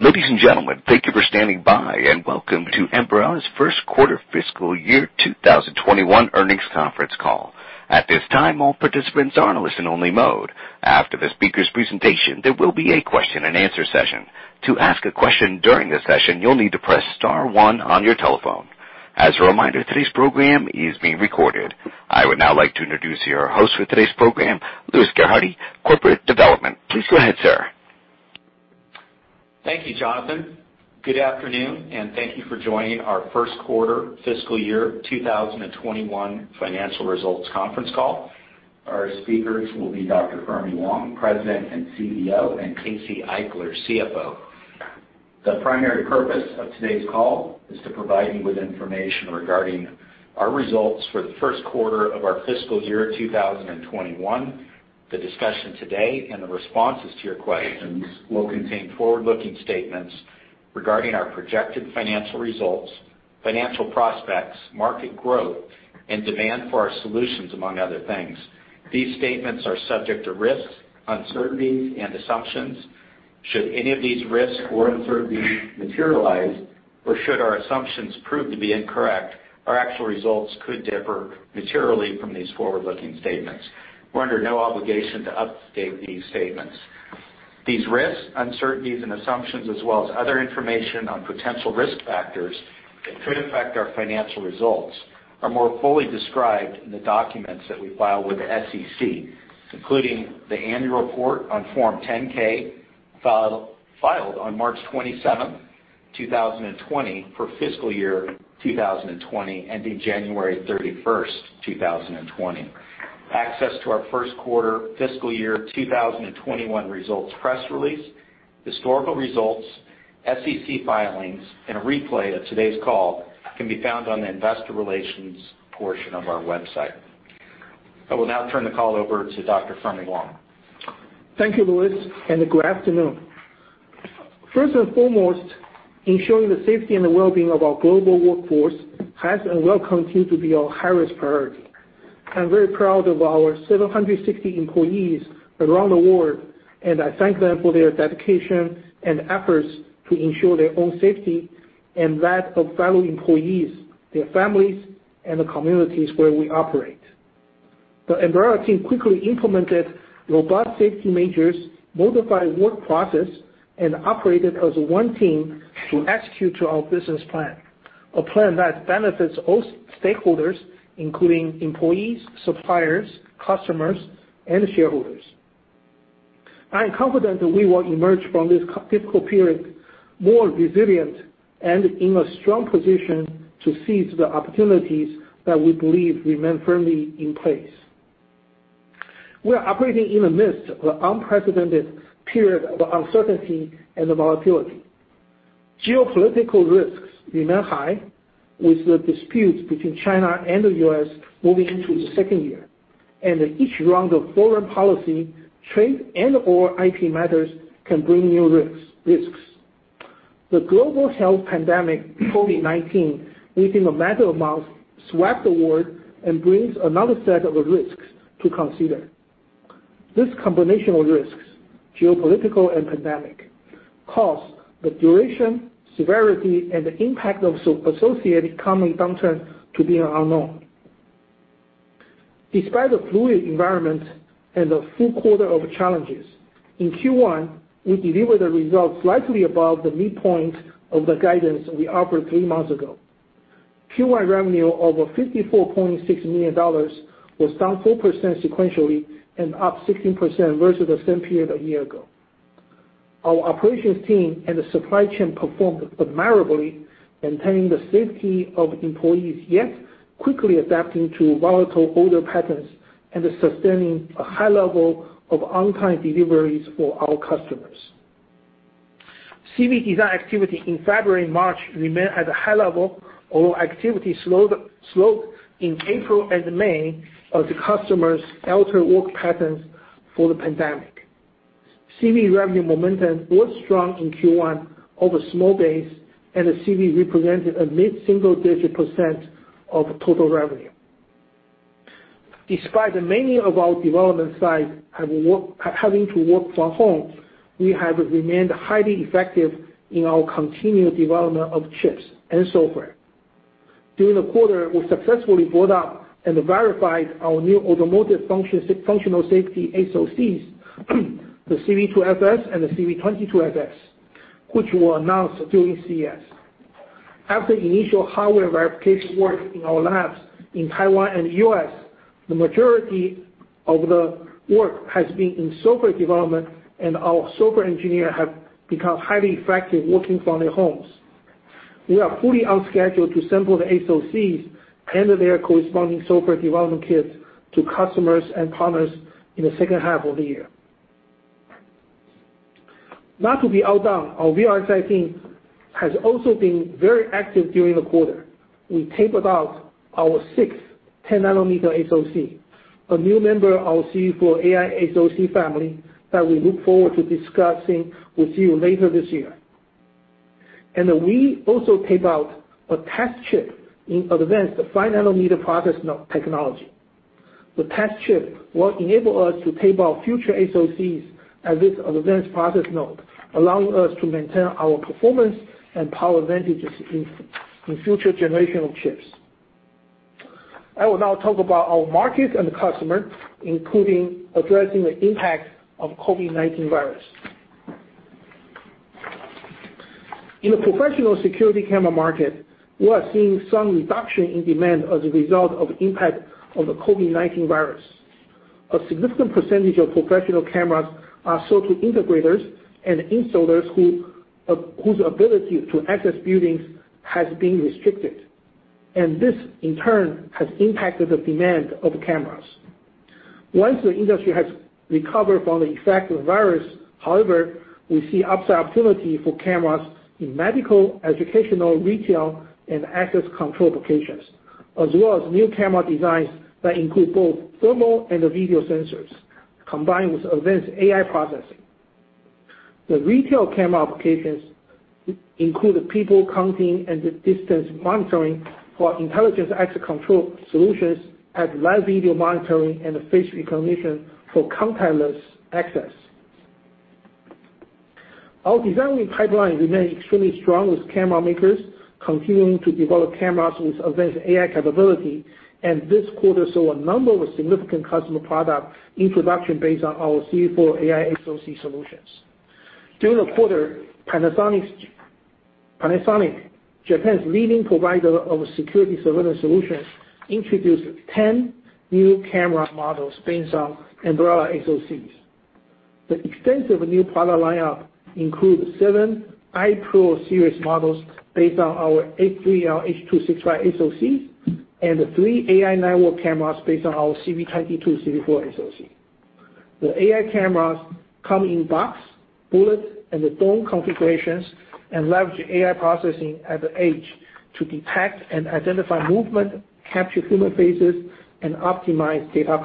Ladies and gentlemen, thank you for standing by, and welcome to Ambarella's first quarter fiscal year 2021 earnings conference call. At this time, all participants are in a listen-only mode. After the speaker's presentation, there will be a question-and-answer session. To ask a question during the session, you'll need to press star one on your telephone. As a reminder, today's program is being recorded. I would now like to introduce your host for today's program, Louis Gerhardy, Corporate Development. Please go ahead, sir. Thank you, Jonathan. Good afternoon, and thank you for joining our first quarter fiscal year 2021 financial results conference call. Our speakers will be Dr. Fermi Wang, President and CEO, and Casey Eichler, CFO. The primary purpose of today's call is to provide you with information regarding our results for the first quarter of our fiscal year 2021. The discussion today and the responses to your questions will contain forward-looking statements regarding our projected financial results, financial prospects, market growth, and demand for our solutions, among other things. These statements are subject to risks, uncertainties, and assumptions. Should any of these risks or uncertainties materialize, or should our assumptions prove to be incorrect, our actual results could differ materially from these forward-looking statements. We're under no obligation to update these statements. These risks, uncertainties, and assumptions, as well as other information on potential risk factors that could affect our financial results, are more fully described in the documents that we file with the SEC, including the annual report on Form 10-K filed on March 27, 2020, for fiscal year 2020, ending January 31, 2020. Access to our first quarter fiscal year 2021 results press release, historical results, SEC filings, and a replay of today's call can be found on the investor relations portion of our website. I will now turn the call over to Dr. Fermi Wang. Thank you, Louis, and good afternoon. First and foremost, ensuring the safety and the well-being of our global workforce has always been and will continue to be our highest priority. I'm very proud of our 760 employees around the world, and I thank them for their dedication and efforts to ensure their own safety and that of fellow employees, their families, and the communities where we operate. The Ambarella team quickly implemented robust safety measures, modified work processes, and operated as one team to execute our business plan, a plan that benefits all stakeholders, including employees, suppliers, customers, and shareholders. I am confident that we will emerge from this difficult period more resilient and in a strong position to seize the opportunities that we believe remain firmly in place. We are operating in the midst of an unprecedented period of uncertainty and volatility. Geopolitical risks remain high, with the disputes between China and the U.S. moving into the second year, and each round of foreign policy, trade, and/or IP matters can bring new risks. The global health pandemic, COVID-19, within a matter of months, swept the world and brings another set of risks to consider. This combination of risks, geopolitical and pandemic, caused the duration, severity, and the impact of associated common downturns to be unknown. Despite the fluid environment and the full quarter of challenges, in Q1, we delivered the results slightly above the midpoint of the guidance we offered three months ago. Q1 revenue of $54.6 million was down 4% sequentially and up 16% versus the same period a year ago. Our operations team and the supply chain performed admirably, maintaining the safety of employees, yet quickly adapting to volatile order patterns and sustaining a high level of on-time deliveries for our customers. CV design activity in February and March remained at a high level, although activity slowed in April and May as the customers altered work patterns for the pandemic. CV revenue momentum was strong in Q1 over a small base, and the CV represented a mid-single-digit % of total revenue. Despite many of our development sites having to work from home, we have remained highly effective in our continued development of chips and software. During the quarter, we successfully brought up and verified our new automotive functional safety SoCs, the CV2FS and the CV22FS, which were announced during CES. After initial hardware verification work in our labs in Taiwan and the U.S., the majority of the work has been in software development, and our software engineers have become highly effective working from their homes. We are fully on schedule to sample the SoCs and their corresponding software development kits to customers and partners in the second half of the year. Not to be outdone, our VLSI team has also been very active during the quarter. We taped out our sixth 10-nanometer SoC, a new member of our CVflow AI SoC family that we look forward to discussing with you later this year. And we also taped out a test chip in advanced 5-nanometer process technology. The test chip will enable us to tape out future SoCs at this advanced process node, allowing us to maintain our performance and power advantages in future generations of chips. I will now talk about our market and the customers, including addressing the impact of the COVID-19 virus. In the professional security camera market, we are seeing some reduction in demand as a result of the impact of the COVID-19 virus. A significant percentage of professional cameras are sold to integrators and installers whose ability to access buildings has been restricted, and this, in turn, has impacted the demand for cameras. Once the industry has recovered from the effect of the virus, however, we see upside opportunity for cameras in medical, educational, retail, and access control applications, as well as new camera designs that include both thermal and video sensors, combined with advanced AI processing. The retail camera applications include people counting and distance monitoring for intelligent access control solutions, AI live video monitoring, and face recognition for contactless access. Our design pipeline remains extremely strong, with camera makers continuing to develop cameras with advanced AI capability, and this quarter saw a number of significant customer product introductions based on our CVflow AI SoC solutions. During the quarter, Panasonic, Japan's leading provider of security surveillance solutions, introduced 10 new camera models based on Ambarella SoCs. The extensive new product lineup includes seven i-PRO series models based on our S3L H.265 SoCs and three AI network cameras based on our CV22 CVflow SoC. The AI cameras come in box, bullet, and dome configurations and leverage AI processing at the edge to detect and identify movement, capture human faces, and optimize data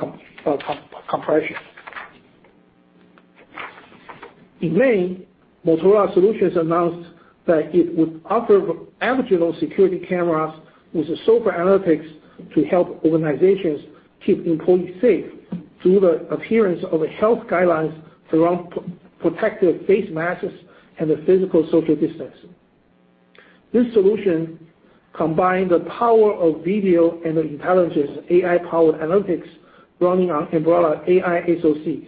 compression. In May, Motorola Solutions announced that it would offer additional security cameras with software analytics to help organizations keep employees safe through the appearance of health guidelines around protective face masks and physical social distancing. This solution combined the power of video and intelligent AI-powered analytics running on Ambarella AI SoCs.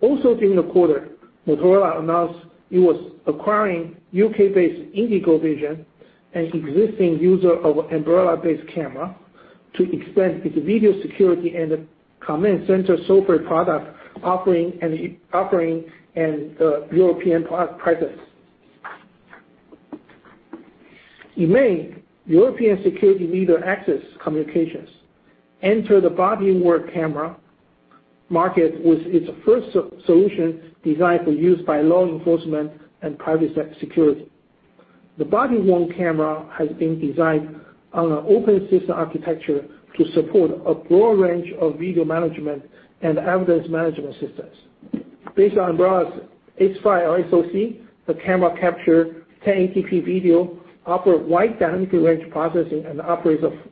Also during the quarter, Motorola announced it was acquiring UK-based IndigoVision, an existing user of Ambarella-based camera, to extend its video security and command center software product offering in European presence. In May, Axis Communications entered the body-worn camera market with its first solution designed for use by law enforcement and private security. The body-worn camera has been designed on an open system architecture to support a broad range of video management and evidence management systems. Based on Ambarella's S5 SoC, the camera captures 1080p video, offers wide dynamic range processing, and operates for a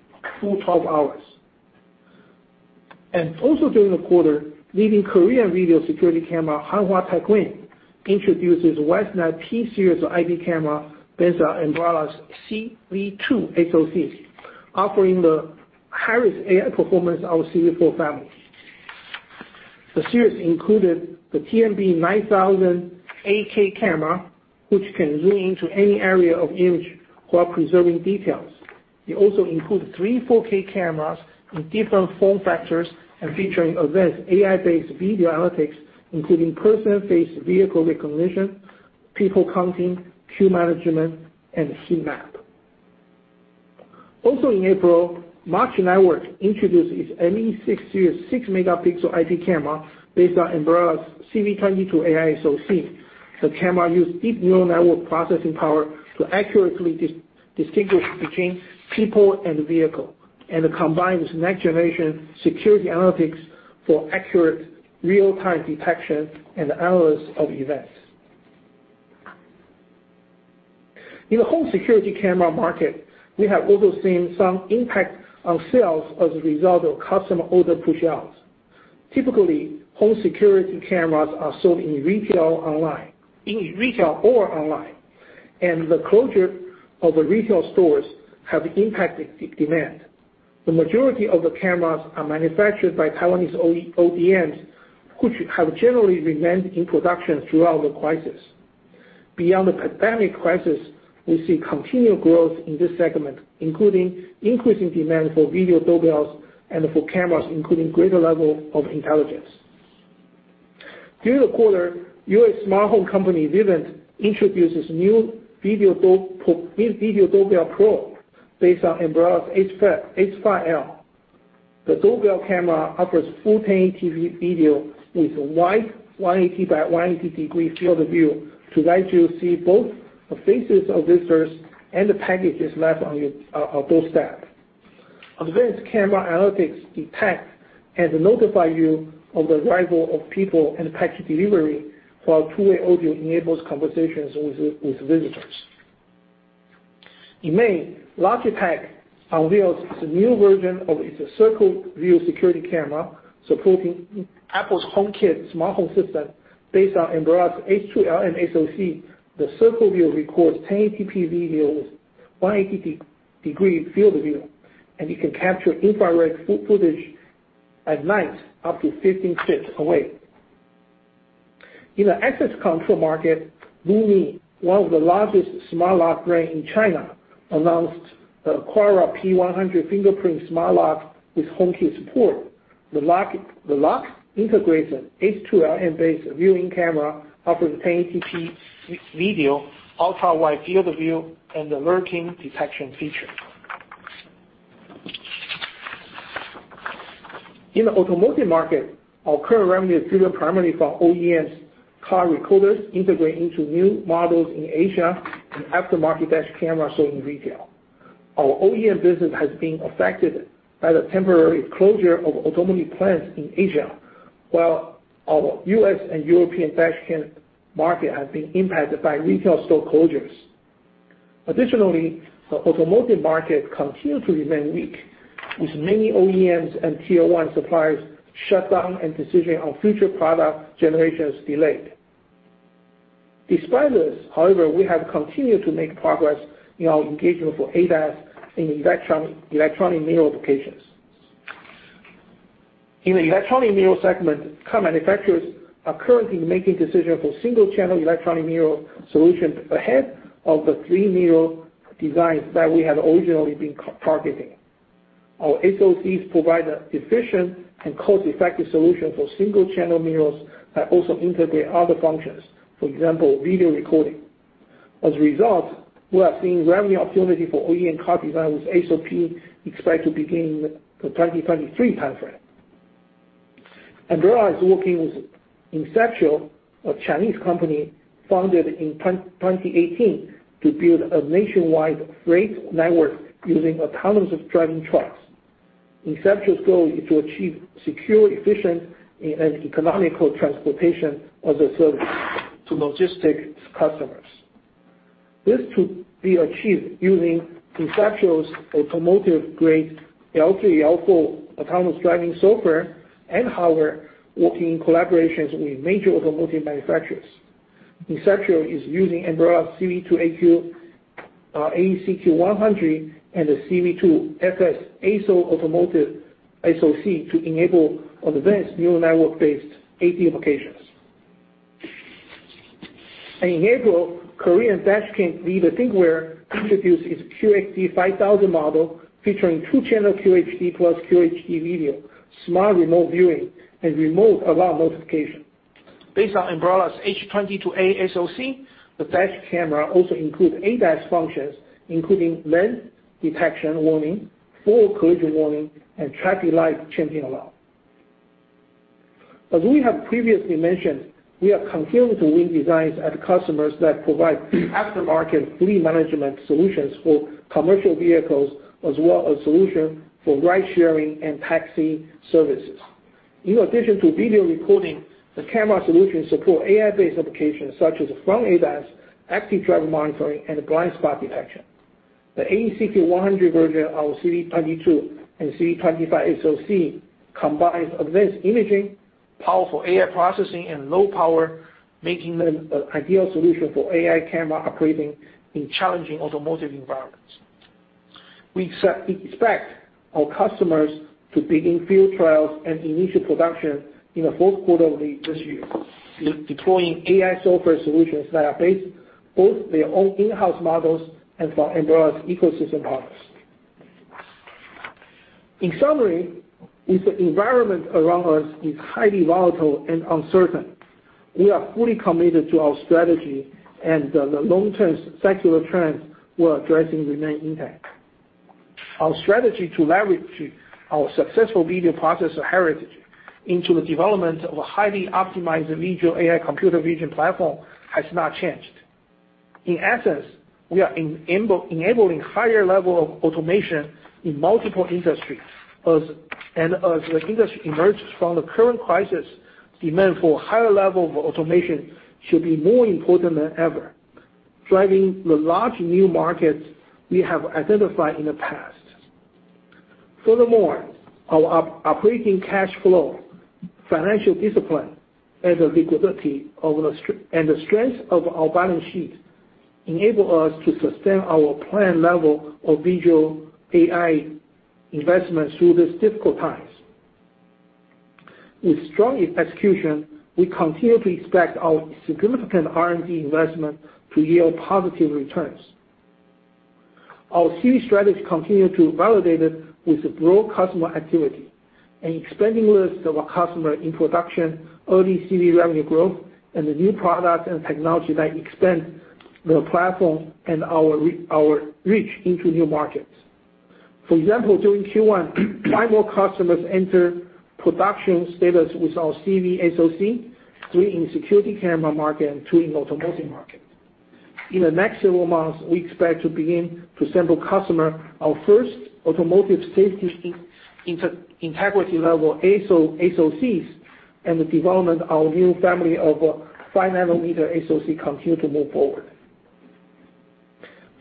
full 12 hours. And also during the quarter, the leading Korean video security camera company, Hanwha Techwin, introduced its Wisenet P series of IP cameras based on Ambarella's CV2 SoC, offering the highest AI performance of the CVflow family. The series included the TNB-9000 8K camera, which can zoom into any area of image while preserving details. It also includes three 4K cameras in different form factors and features advanced AI-based video analytics, including person, face, vehicle recognition, people counting, queue management, and heat map. Also in April, March Networks introduced its ME6 series 6-megapixel IP camera based on Ambarella's CV22 AI SoC. The camera uses deep neural network processing power to accurately distinguish between people and vehicles and combines next-generation security analytics for accurate real-time detection and analysis of events. In the home security camera market, we have also seen some impact on sales as a result of customer order push-outs. Typically, home security cameras are sold in retail or online, and the closure of retail stores has impacted demand. The majority of the cameras are manufactured by Taiwanese OEMs, which have generally remained in production throughout the crisis. Beyond the pandemic crisis, we see continued growth in this segment, including increasing demand for video doorbells and for cameras, including a greater level of intelligence. During the quarter, U.S. smart home company Vivint introduced its new Video Doorbell Pro based on Ambarella's S5L. The doorbell camera offers full 1080p video with wide 180 by 180-degree field of view to let you see both the faces of visitors and the packages left on your doorstep. Advanced camera analytics detect and notify you of the arrival of people and package delivery while two-way audio enables conversations with visitors. In May, Logitech unveiled its new version of its Circle View security camera, supporting Apple's HomeKit smart home system based on Ambarella's S2LM SoC. The Circle View records 1080p video with 180-degree field of view, and it can capture infrared footage at night up to 15 feet away. In the access control market, Lumi, one of the largest smart lock brands in China, announced the Aqara P100 fingerprint smart lock with HomeKit support. The lock integrates an S2LM-based viewing camera, offers 1080p video, ultra-wide field of view, and lurking detection features. In the automotive market, our current revenue is driven primarily from OEMs' car recorders integrating into new models in Asia and aftermarket dash cameras sold in retail. Our OEM business has been affected by the temporary closure of automotive plants in Asia, while our US and European dash cam market has been impacted by retail store closures. Additionally, the automotive market continues to remain weak, with many OEMs and Tier 1 suppliers shut down and decisions on future product generations delayed. Despite this, however, we have continued to make progress in our engagement for ADAS in electronic mirror applications. In the electronic mirror segment, car manufacturers are currently making decisions for single-channel electronic mirror solutions ahead of the three mirror designs that we had originally been targeting. Our SoCs provide an efficient and cost-effective solution for single-channel mirrors that also integrate other functions, for example, video recording. As a result, we are seeing revenue opportunities for OEM car designs with SOPs expected to begin in the 2023 timeframe. Ambarella is working with Inceptio, a Chinese company founded in 2018, to build a nationwide freight network using autonomous driving trucks. Inceptio's goal is to achieve secure, efficient, and economical transportation-as-a-service to logistics customers. This could be achieved using Inceptio's automotive-grade L3, L4 autonomous driving software and hardware working in collaborations with major automotive manufacturers. Inceptio is using Ambarella's CV2AQ, AEC-Q100, and the CV2FS SoC automotive SoC to enable advanced neural network-based AD applications. In April, Korean dash cam leader Thinkware introduced its QXD5000 model, featuring two-channel QHD + QHD video, smart remote viewing, and remote alarm notification. Based on Ambarella's H22A SoC, the dash camera also includes ADAS functions, including lane detection warning, forward collision warning, and traffic light changing alarm. As we have previously mentioned, we are continuing to win designs at customers that provide aftermarket fleet management solutions for commercial vehicles, as well as solutions for ride-sharing and taxi services. In addition to video recording, the camera solutions support AI-based applications such as front ADAS, active driver monitoring, and blind spot detection. The AEC-Q100 version of our CV22 and CV25 SoC combines advanced imaging, powerful AI processing, and low power, making them an ideal solution for AI cameras operating in challenging automotive environments. We expect our customers to begin field trials and initial production in the fourth quarter of this year, deploying AI software solutions that are based on both their own in-house models and from Ambarella's ecosystem partners. In summary, with the environment around us being highly volatile and uncertain, we are fully committed to our strategy, and the long-term secular trends we're addressing remain intact. Our strategy to leverage our successful video processor heritage into the development of a highly optimized visual AI computer vision platform has not changed. In essence, we are enabling a higher level of automation in multiple industries, and as the industry emerges from the current crisis, demand for a higher level of automation should be more important than ever, driving the large new markets we have identified in the past. Furthermore, our operating cash flow, financial discipline, and the liquidity and the strength of our balance sheet enable us to sustain our planned level of visual AI investments through these difficult times. With strong execution, we continue to expect our significant R&D investment to yield positive returns. Our CV strategy continues to be validated with broad customer activity and expanding lists of our customers in production, early CV revenue growth, and the new products and technologies that expand the platform and our reach into new markets. For example, during Q1, five more customers entered production status with our CV SoC, three in the security camera market and two in the automotive market. In the next several months, we expect to begin to sample customers' first automotive safety integrity-level SoCs and the development of our new family of 5-nanometer SoCs continues to move forward.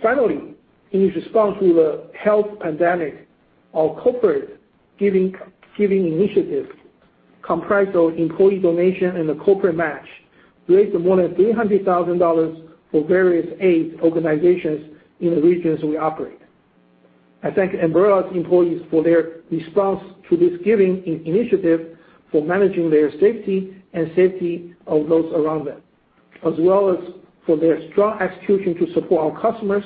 Finally, in response to the health pandemic, our corporate giving initiative, comprised of employee donation and a corporate match, raised more than $300,000 for various aid organizations in the regions we operate. I thank Ambarella's employees for their response to this giving initiative for managing their safety and the safety of those around them, as well as for their strong execution to support our customers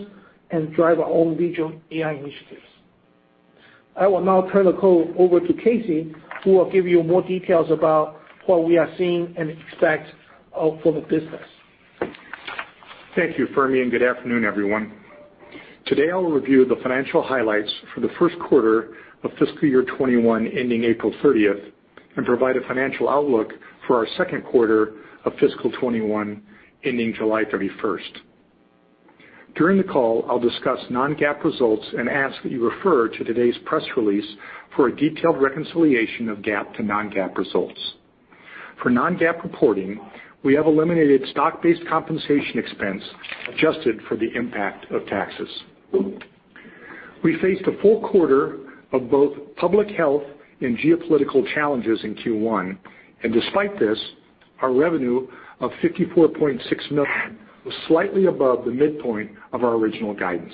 and drive our own visual AI initiatives. I will now turn the call over to Casey, who will give you more details about what we are seeing and expect for the business. Thank you, Fermi. And good afternoon, everyone. Today, I will review the financial highlights for the first quarter of fiscal year 2021 ending April 30th and provide a financial outlook for our second quarter of fiscal 2021 ending July 31st. During the call, I'll discuss non-GAAP results and ask that you refer to today's press release for a detailed reconciliation of GAAP to non-GAAP results. For non-GAAP reporting, we have eliminated stock-based compensation expense adjusted for the impact of taxes. We faced a full quarter of both public health and geopolitical challenges in Q1, and despite this, our revenue of $54.6 million was slightly above the midpoint of our original guidance.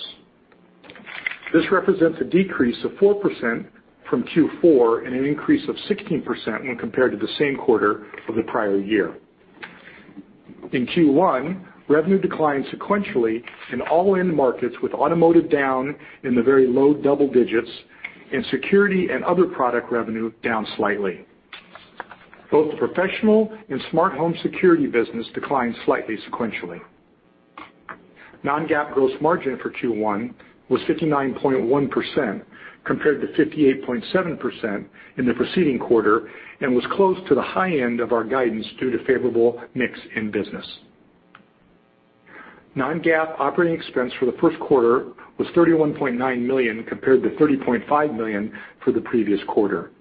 This represents a decrease of 4% from Q4 and an increase of 16% when compared to the same quarter of the prior year. In Q1, revenue declined sequentially in all end markets with automotive down in the very low double digits and security and other product revenue down slightly. Both the professional and smart home security business declined slightly sequentially. Non-GAAP gross margin for Q1 was 59.1% compared to 58.7% in the preceding quarter and was close to the high end of our guidance due to favorable mix in business. Non-GAAP operating expense for the first quarter was $31.9 million compared to $30.5 million for the previous quarter.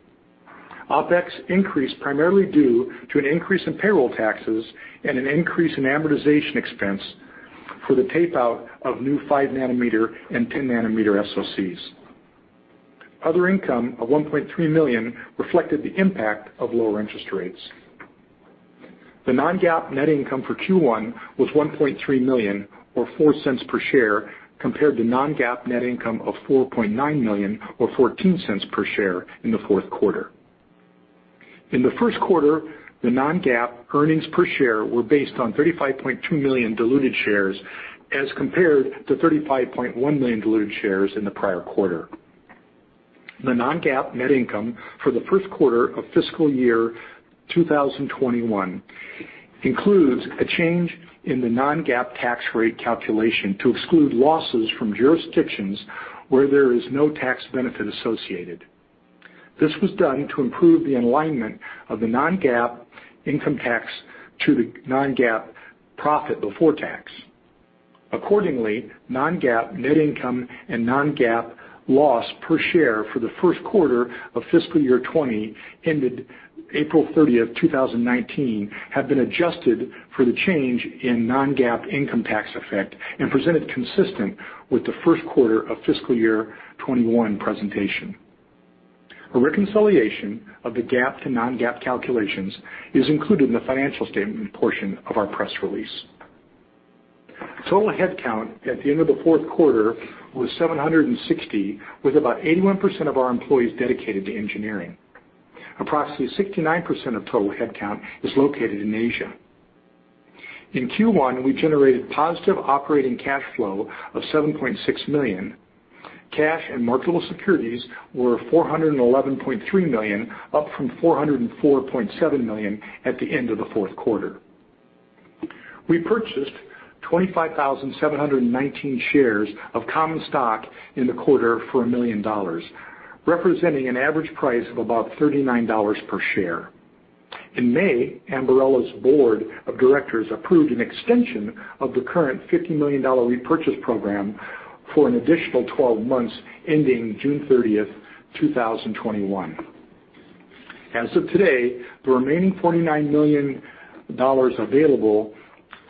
OpEx increased primarily due to an increase in payroll taxes and an increase in amortization expense for the tape-out of new 5-nanometer and 10-nanometer SoCs. Other income of $1.3 million reflected the impact of lower interest rates. The non-GAAP net income for Q1 was $1.3 million or $0.04 per share compared to non-GAAP net income of $4.9 million or $0.14 per share in the fourth quarter. In the first quarter, the non-GAAP earnings per share were based on 35.2 million diluted shares as compared to 35.1 million diluted shares in the prior quarter. The non-GAAP net income for the first quarter of fiscal year 2021 includes a change in the non-GAAP tax rate calculation to exclude losses from jurisdictions where there is no tax benefit associated. This was done to improve the alignment of the non-GAAP income tax to the non-GAAP profit before tax. Accordingly, non-GAAP net income and non-GAAP loss per share for the first quarter of fiscal year 2020 ended April 30th, 2019, have been adjusted for the change in non-GAAP income tax effect and presented consistent with the first quarter of fiscal year 2021 presentation. A reconciliation of the GAAP to non-GAAP calculations is included in the financial statement portion of our press release. Total headcount at the end of the fourth quarter was 760, with about 81% of our employees dedicated to engineering. Approximately 69% of total headcount is located in Asia. In Q1, we generated positive operating cash flow of $7.6 million. Cash and marketable securities were $411.3 million, up from $404.7 million at the end of the fourth quarter. We purchased 25,719 shares of common stock in the quarter for $1 million, representing an average price of about $39 per share. In May, Ambarella's board of directors approved an extension of the current $50 million repurchase program for an additional 12 months ending June 30th, 2021. As of today, the remaining $49 million available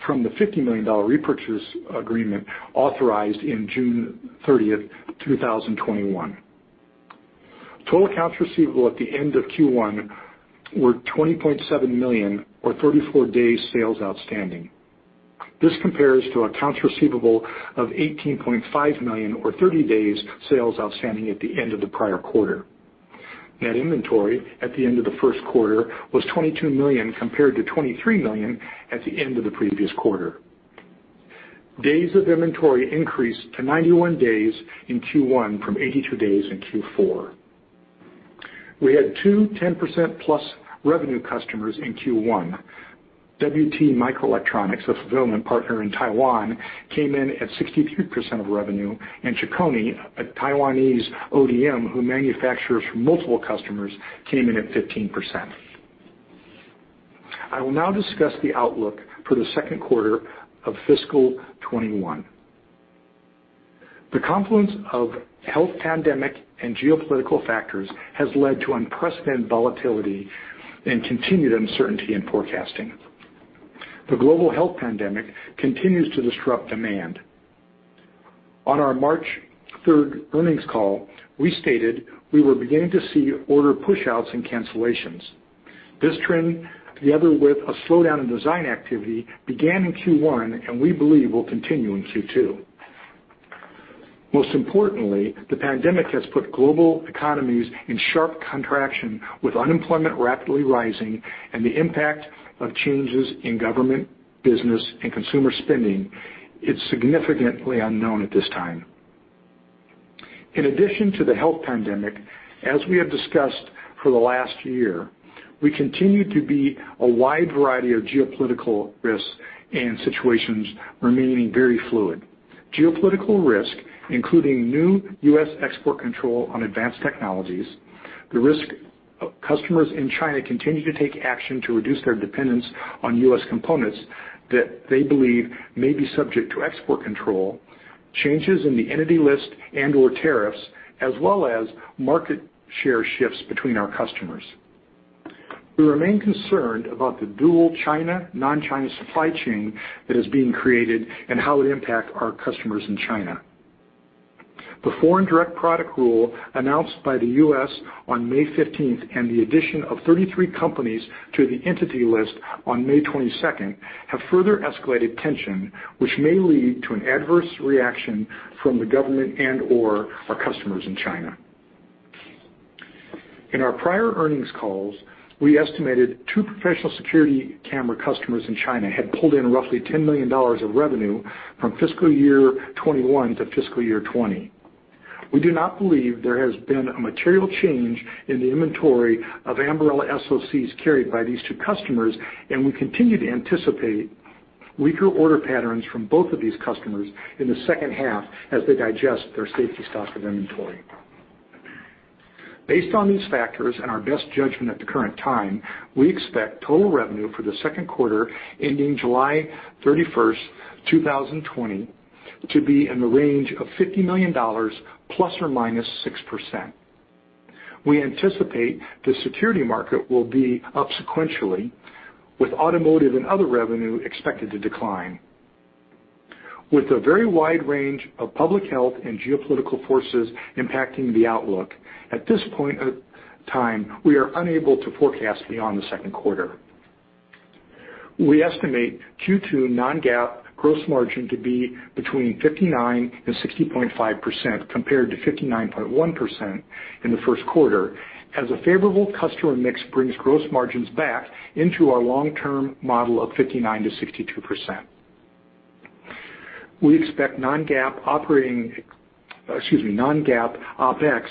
from the $50 million repurchase agreement authorized in June 30th, 2021. Total accounts receivable at the end of Q1 were 20.7 million or 34 days sales outstanding. This compares to accounts receivable of 18.5 million or 30 days sales outstanding at the end of the prior quarter. Net inventory at the end of the first quarter was 22 million compared to 23 million at the end of the previous quarter. Days of inventory increased to 91 days in Q1 from 82 days in Q4. We had two 10%+ revenue customers in Q1. WT Microelectronics, a fulfillment partner in Taiwan, came in at 63% of revenue, and Chicony, a Taiwanese ODM who manufactures for multiple customers, came in at 15%. I will now discuss the outlook for the second quarter of fiscal 2021. The confluence of health pandemic and geopolitical factors has led to unprecedented volatility and continued uncertainty in forecasting. The global health pandemic continues to disrupt demand. On our March 3rd earnings call, we stated we were beginning to see order push-outs and cancellations. This trend, together with a slowdown in design activity, began in Q1 and we believe will continue in Q2. Most importantly, the pandemic has put global economies in sharp contraction with unemployment rapidly rising and the impact of changes in government, business, and consumer spending is significantly unknown at this time. In addition to the health pandemic, as we have discussed for the last year, we continue to be a wide variety of geopolitical risks and situations remaining very fluid. Geopolitical risk, including new U.S. export control on advanced technologies, the risk of customers in China continuing to take action to reduce their dependence on U.S. components that they believe may be subject to export control, changes in the Entity List and/or tariffs, as well as market share shifts between our customers. We remain concerned about the dual China-non-China supply chain that is being created and how it impacts our customers in China. The Foreign Direct Product Rule announced by the U.S. on May 15th and the addition of 33 companies to the Entity List on May 22nd have further escalated tension, which may lead to an adverse reaction from the government and/or our customers in China. In our prior earnings calls, we estimated two professional security camera customers in China had pulled in roughly $10 million of revenue from fiscal year 2021 to fiscal year 2020. We do not believe there has been a material change in the inventory of Ambarella SoCs carried by these two customers, and we continue to anticipate weaker order patterns from both of these customers in the second half as they digest their safety stock of inventory. Based on these factors and our best judgment at the current time, we expect total revenue for the second quarter ending July 31st, 2020, to be in the range of $50 million ±6%. We anticipate the security market will be up sequentially, with automotive and other revenue expected to decline. With a very wide range of public health and geopolitical forces impacting the outlook, at this point in time, we are unable to forecast beyond the second quarter. We estimate Q2 non-GAAP gross margin to be between 59%-60.5% compared to 59.1% in the first quarter as a favorable customer mix brings gross margins back into our long-term model of 59%-62%. We expect non-GAAP operating, excuse me, non-GAAP OpEx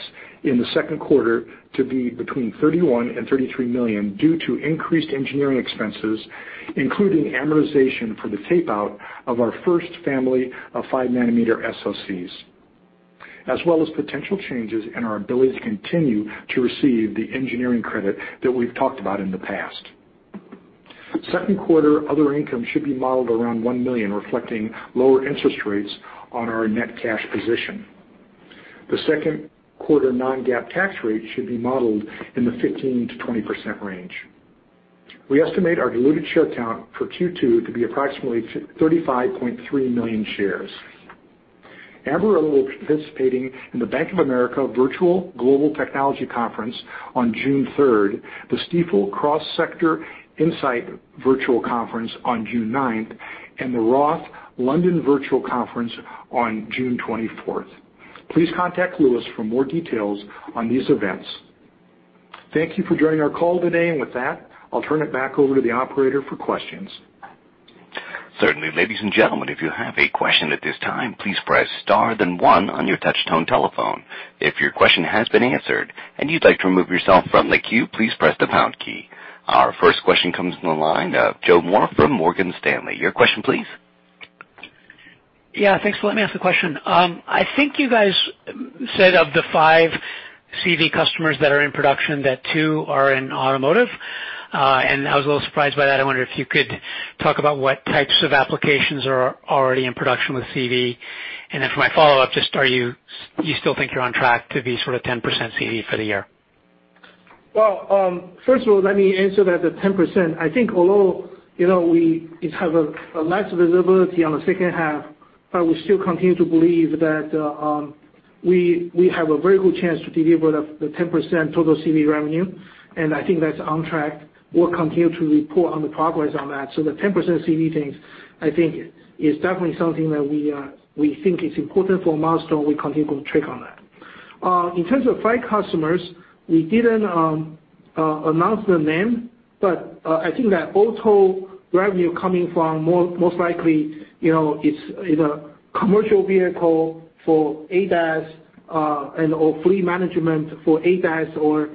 in the second quarter to be between $31 and $33 million due to increased engineering expenses, including amortization for the tape-out of our first family of 5-nanometer SoCs, as well as potential changes in our ability to continue to receive the engineering credit that we've talked about in the past. Second quarter other income should be modeled around $1 million, reflecting lower interest rates on our net cash position. The second quarter non-GAAP tax rate should be modeled in the 15%-20% range. We estimate our diluted share count for Q2 to be approximately 35.3 million shares. Ambarella will be participating in the Bank of America Virtual Global Technology Conference on June 3rd, the Stifel Cross-Sector Insight Virtual Conference on June 9th, and the Roth London Virtual Conference on June 24th. Please contact Louis for more details on these events. Thank you for joining our call today. And with that, I'll turn it back over to the operator for questions. Certainly. Ladies and gentlemen, if you have a question at this time, please press star then one on your touch-tone telephone. If your question has been answered and you'd like to remove yourself from the queue, please press the pound key. Our first question comes from the line of Joe Moore from Morgan Stanley. Your question, please. Yeah. Thanks for letting me ask the question. I think you guys said of the five CV customers that are in production that two are in automotive. And I was a little surprised by that. I wondered if you could talk about what types of applications are already in production with CV. And then for my follow-up, just are you still think you're on track to be sort of 10% CV for the year? Well, first of all, let me answer that the 10%. I think although we have a less visibility on the second half, but we still continue to believe that we have a very good chance to deliver the 10% total CV revenue. And I think that's on track. We'll continue to report on the progress on that. So the 10% CV thing, I think, is definitely something that we think is important for milestone. We continue to track on that. In terms of five customers, we didn't announce the name, but I think that auto revenue coming from most likely is a commercial vehicle for ADAS and/or fleet management for ADAS or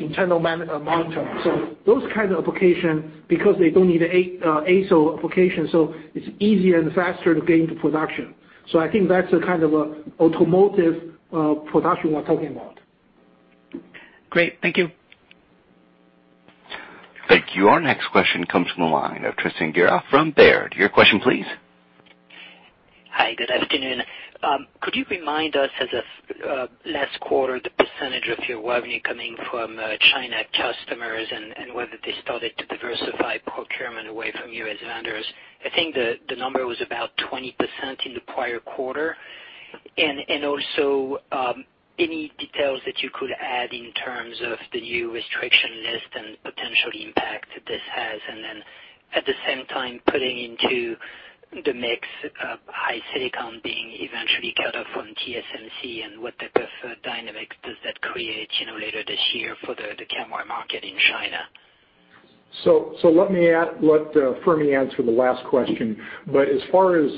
internal monitoring. So those kinds of applications because they don't need an ASIL application. So it's easier and faster to get into production. So I think that's the kind of automotive production we're talking about. Great. Thank you. Thank you. Our next question comes from the line of Tristan Gerra from Baird. Your question, please. Hi. Good afternoon. Could you remind us as of last quarter the percentage of your revenue coming from China customers and whether they started to diversify procurement away from you as vendors? I think the number was about 20% in the prior quarter. And also any details that you could add in terms of the new restriction list and potential impact this has. And then at the same time, putting into the mix HiSilicon being eventually cut off from TSMC and what type of dynamic does that create later this year for the camera market in China? So let me let Fermi answer the last question. But as far as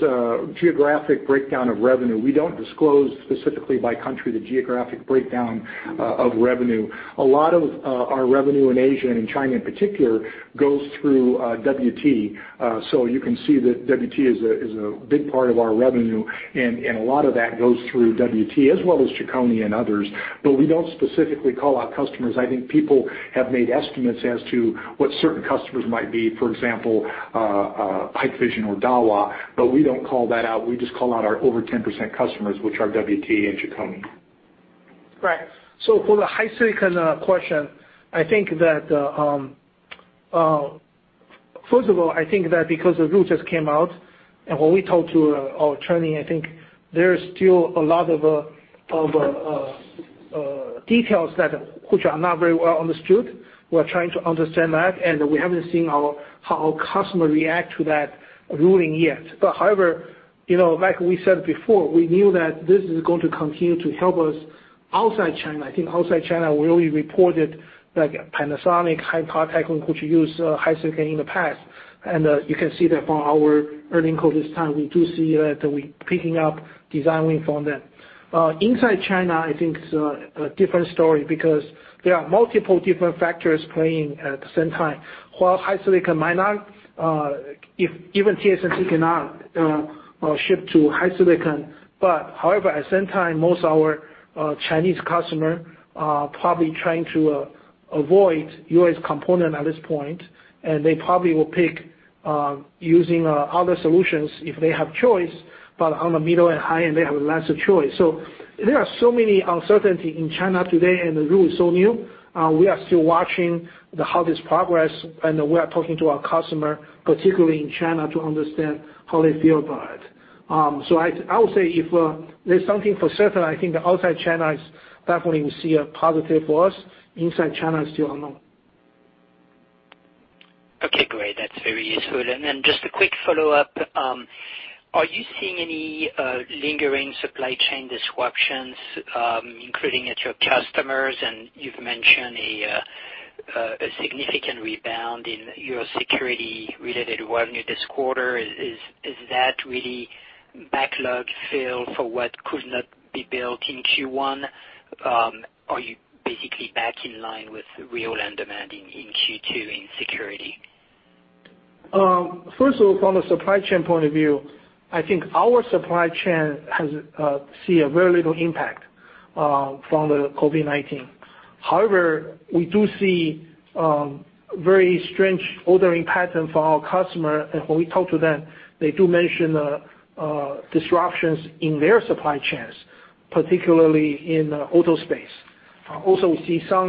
geographic breakdown of revenue, we don't disclose specifically by country the geographic breakdown of revenue. A lot of our revenue in Asia and in China in particular goes through WT. So you can see that WT is a big part of our revenue. And a lot of that goes through WT as well as Chicony and others. But we don't specifically call out customers. I think people have made estimates as to what certain customers might be, for example, Hikvision or Dahua. But we don't call that out. We just call out our over 10% customers, which are WT and Chicony. Right. So for the HiSilicon question, I think that first of all, I think that because the rule just came out and when we talked to our attorney, I think there's still a lot of details which are not very well understood. We're trying to understand that. And we haven't seen how our customer reacts to that ruling yet. But however, like we said before, we knew that this is going to continue to help us outside China. I think outside China, we already reported Panasonic, Hanwha Techwin, which used HiSilicon in the past. And you can see that from our earnings call this time. We do see that we're picking up design wins from them. Inside China, I think it's a different story because there are multiple different factors playing at the same time. While HiSilicon might not, even TSMC cannot ship to HiSilicon. But however, at the same time, most of our Chinese customers are probably trying to avoid U.S. components at this point. And they probably will pick using other solutions if they have choice. But on the middle and high end, they have lesser choice. So there are so many uncertainties in China today, and the rule is so new. We are still watching how this progresses. And we are talking to our customers, particularly in China, to understand how they feel about it. So I would say if there's something for certain, I think outside China is definitely we see a positive for us. Inside China, it's still unknown. Okay. Great. That's very useful. Then just a quick follow-up. Are you seeing any lingering supply chain disruptions, including at your customers? And you've mentioned a significant rebound in your security-related revenue this quarter. Is that really backlog fill for what could not be built in Q1? Are you basically back in line with real demand in Q2 in security? First of all, from the supply chain point of view, I think our supply chain has seen very little impact from the COVID-19. However, we do see very strange ordering patterns from our customers. And when we talk to them, they do mention disruptions in their supply chains, particularly in the auto space. Also, we see some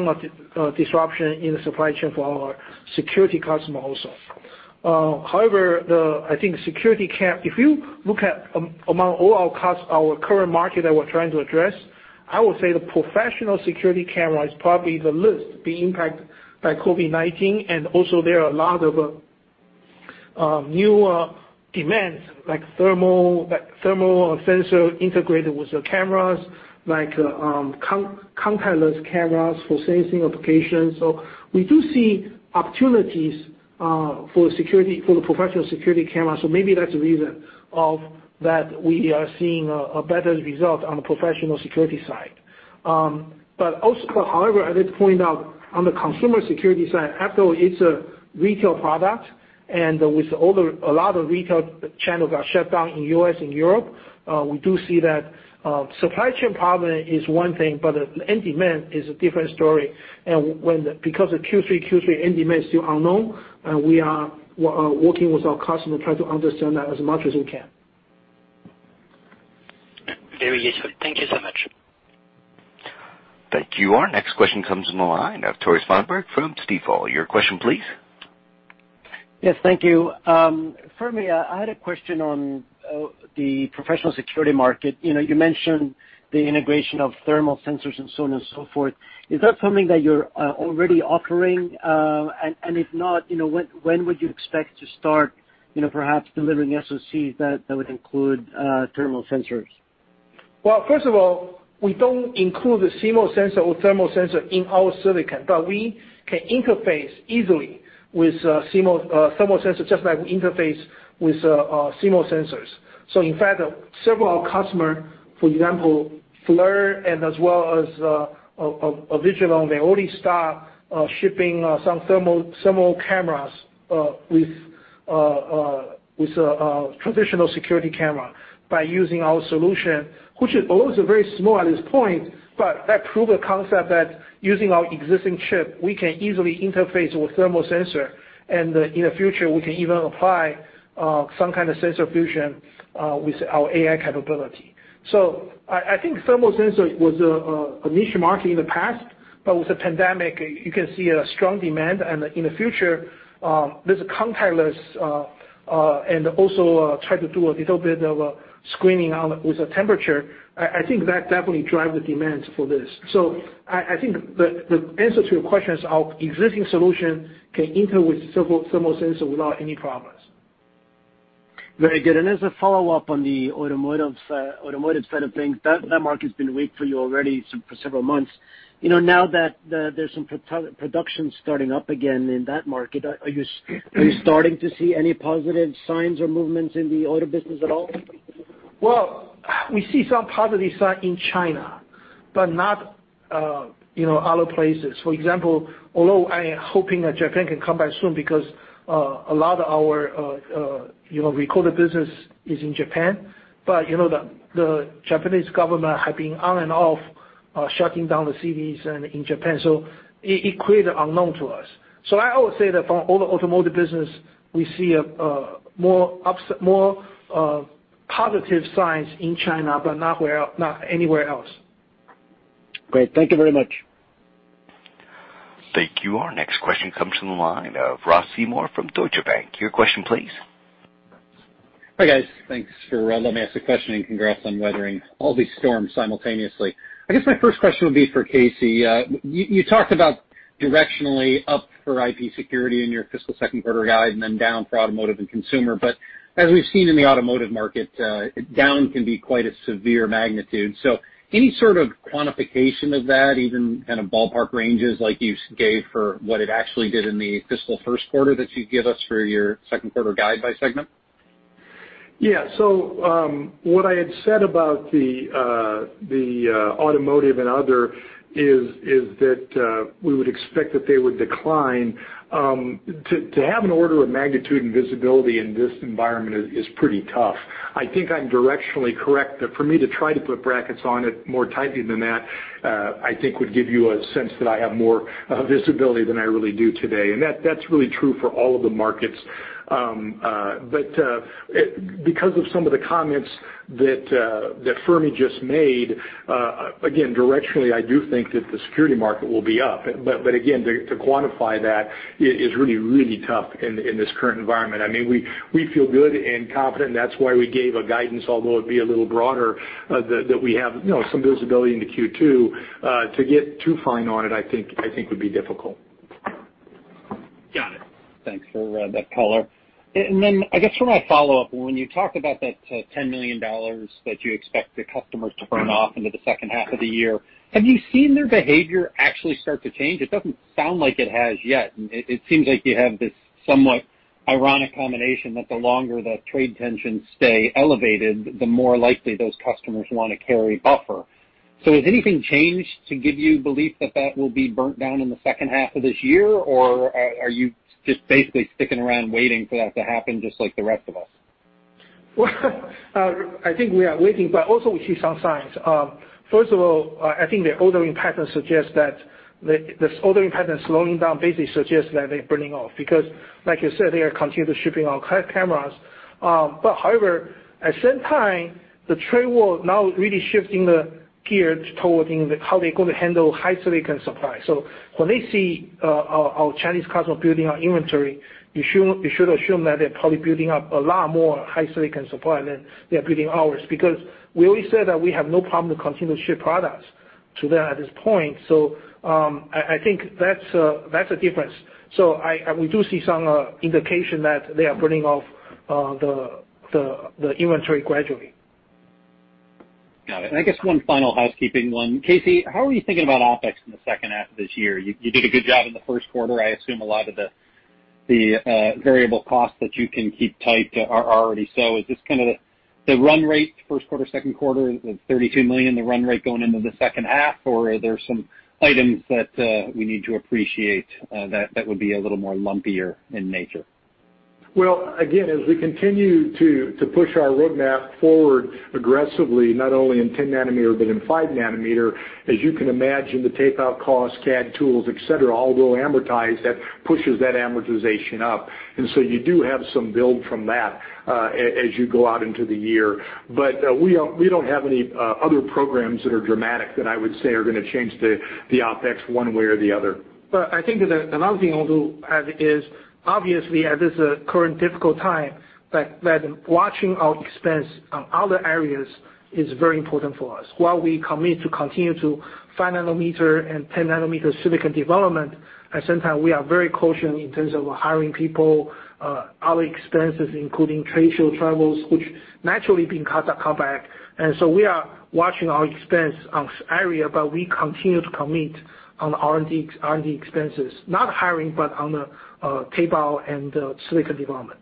disruption in the supply chain for our security customers also. However, I think security cam, if you look at among all our current market that we're trying to address, I would say the professional security camera is probably the least being impacted by COVID-19. And also, there are a lot of new demands like thermal sensors integrated with the cameras, like contactless cameras for sensing applications. So we do see opportunities for the professional security cameras. So maybe that's the reason that we are seeing a better result on the professional security side. But however, I did point out on the consumer security side, after all, it's a retail product. And with a lot of retail channels got shut down in the US and Europe, we do see that supply chain problem is one thing, but end demand is a different story. And because of Q3, Q4, end demand is still unknown. And we are working with our customers to try to understand that as much as we can. Very useful. Thank you so much. Thank you. Our next question comes from the line of Tore Svanberg from Stifel. Your question, please. Yes. Thank you. Fermi, I had a question on the professional security market. You mentioned the integration of thermal sensors and so on and so forth. Is that something that you're already offering? And if not, when would you expect to start perhaps delivering SoCs that would include thermal sensors? Well, first of all, we don't include the CMOS sensor or thermal sensor in our silicon. But we can interface easily with thermal sensors just like we interface with CMOS sensors. So in fact, several of our customers, for example, FLIR and as well as Avigilon, they already start shipping some thermal cameras with a traditional security camera by using our solution, which is always very small at this point. But that proves the concept that using our existing chip, we can easily interface with thermal sensor. And in the future, we can even apply some kind of sensor fusion with our AI capability. So I think thermal sensor was a niche market in the past. But with the pandemic, you can see a strong demand. And in the future, there's a contactless and also try to do a little bit of screening with a temperature. I think that definitely drives the demands for this. So I think the answer to your question is our existing solution can interface with thermal sensor without any problems. Very good. As a follow-up on the automotive side of things, that market's been weak for you already for several months. Now that there's some production starting up again in that market, are you starting to see any positive signs or movements in the auto business at all? Well, we see some positive signs in China, but not other places. For example, although I am hoping that Japan can come back soon because a lot of our recorder business is in Japan. But the Japanese government has been on and off shutting down the plants in Japan. So it created unknowns to us. So I always say that from all the automotive business, we see more positive signs in China, but not anywhere else. Great. Thank you very much. Thank you. Our next question comes from the line of Ross Seymore from Deutsche Bank. Your question, please. Hi guys. Thanks for letting me ask the question and congrats on weathering all these storms simultaneously. I guess my first question would be for Casey. You talked about directionally up for IP security in your fiscal second quarter guide and then down for automotive and consumer. But as we've seen in the automotive market, down can be quite a severe magnitude. So any sort of quantification of that, even kind of ballpark ranges like you gave for what it actually did in the fiscal first quarter that you give us for your second quarter guide by segment? Yeah. So what I had said about the automotive and other is that we would expect that they would decline. To have an order of magnitude and visibility in this environment is pretty tough. I think I'm directionally correct that for me to try to put brackets on it more tightly than that, I think would give you a sense that I have more visibility than I really do today. And that's really true for all of the markets. But because of some of the comments that Fermi just made, again, directionally, I do think that the security market will be up. But again, to quantify that is really, really tough in this current environment. I mean, we feel good and confident. And that's why we gave a guidance, although it'd be a little broader, that we have some visibility into Q2. To get too fine on it, I think would be difficult. Got it. Thanks for that color. And then I guess for my follow-up, when you talked about that $10 million that you expect the customers to burn off into the second half of the year, have you seen their behavior actually start to change? It doesn't sound like it has yet. It seems like you have this somewhat ironic combination that the longer that trade tensions stay elevated, the more likely those customers want to carry buffer. So has anything changed to give you belief that that will be burnt down in the second half of this year? Or are you just basically sticking around waiting for that to happen just like the rest of us? Well, I think we are waiting. But also, we see some signs. First of all, I think the ordering pattern suggests that this ordering pattern slowing down basically suggests that they're burning off. Because, like you said, they are continuing to ship in our cameras. But however, at the same time, the trade war now really shifting the gear toward how they're going to handle HiSilicon supply. So when they see our Chinese customers building our inventory, you should assume that they're probably building up a lot more HiSilicon supply than they are building ours, because we always said that we have no problem to continue to ship products to them at this point. I think that's a difference, so we do see some indication that they are burning off the inventory gradually. Got it, and I guess one final housekeeping one. Casey, how are you thinking about OpEx in the second half of this year? You did a good job in the first quarter. I assume a lot of the variable costs that you can keep tight are already so. Is this kind of the run rate, first quarter, second quarter, of $32 million, the run rate going into the second half? Or are there some items that we need to appreciate that would be a little more lumpier in nature? Well, again, as we continue to push our roadmap forward aggressively, not only in 10-nanometer but in 5-nanometer, as you can imagine, the takeout costs, CAD tools, etc., all will amortize. That pushes that amortization up. And so you do have some build from that as you go out into the year. But we don't have any other programs that are dramatic that I would say are going to change the OpEx one way or the other. But I think that another thing I'll do is, obviously, at this current difficult time, watching our expense on other areas is very important for us. While we commit to continue to 5-nanometer and 10-nanometer silicon development, at the same time, we are very cautious in terms of hiring people, other expenses, including trade show travels, which naturally being cut back. And so we are watching our expense on this area, but we continue to commit on R&D expenses, not hiring, but on the tape-out and silicon development.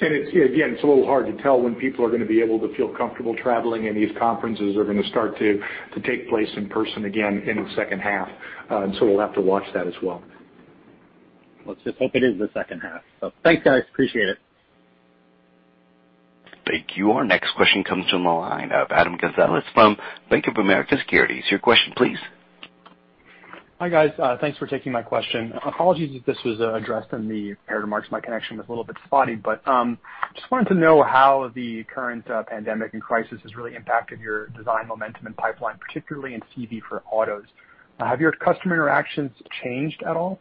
And again, it's a little hard to tell when people are going to be able to feel comfortable traveling and these conferences are going to start to take place in person again in the second half. And so we'll have to watch that as well. Let's just hope it is the second half. So thanks, guys. Appreciate it. Thank you. Our next question comes from the line of Adam Gonzalez from Bank of America Securities. Your question, please. Hi guys. Thanks for taking my question. Apologies if this was addressed in the prepared remarks. My connection was a little bit spotty. But I just wanted to know how the current pandemic and crisis has really impacted your design momentum and pipeline, particularly in CV for autos. Have your customer interactions changed at all?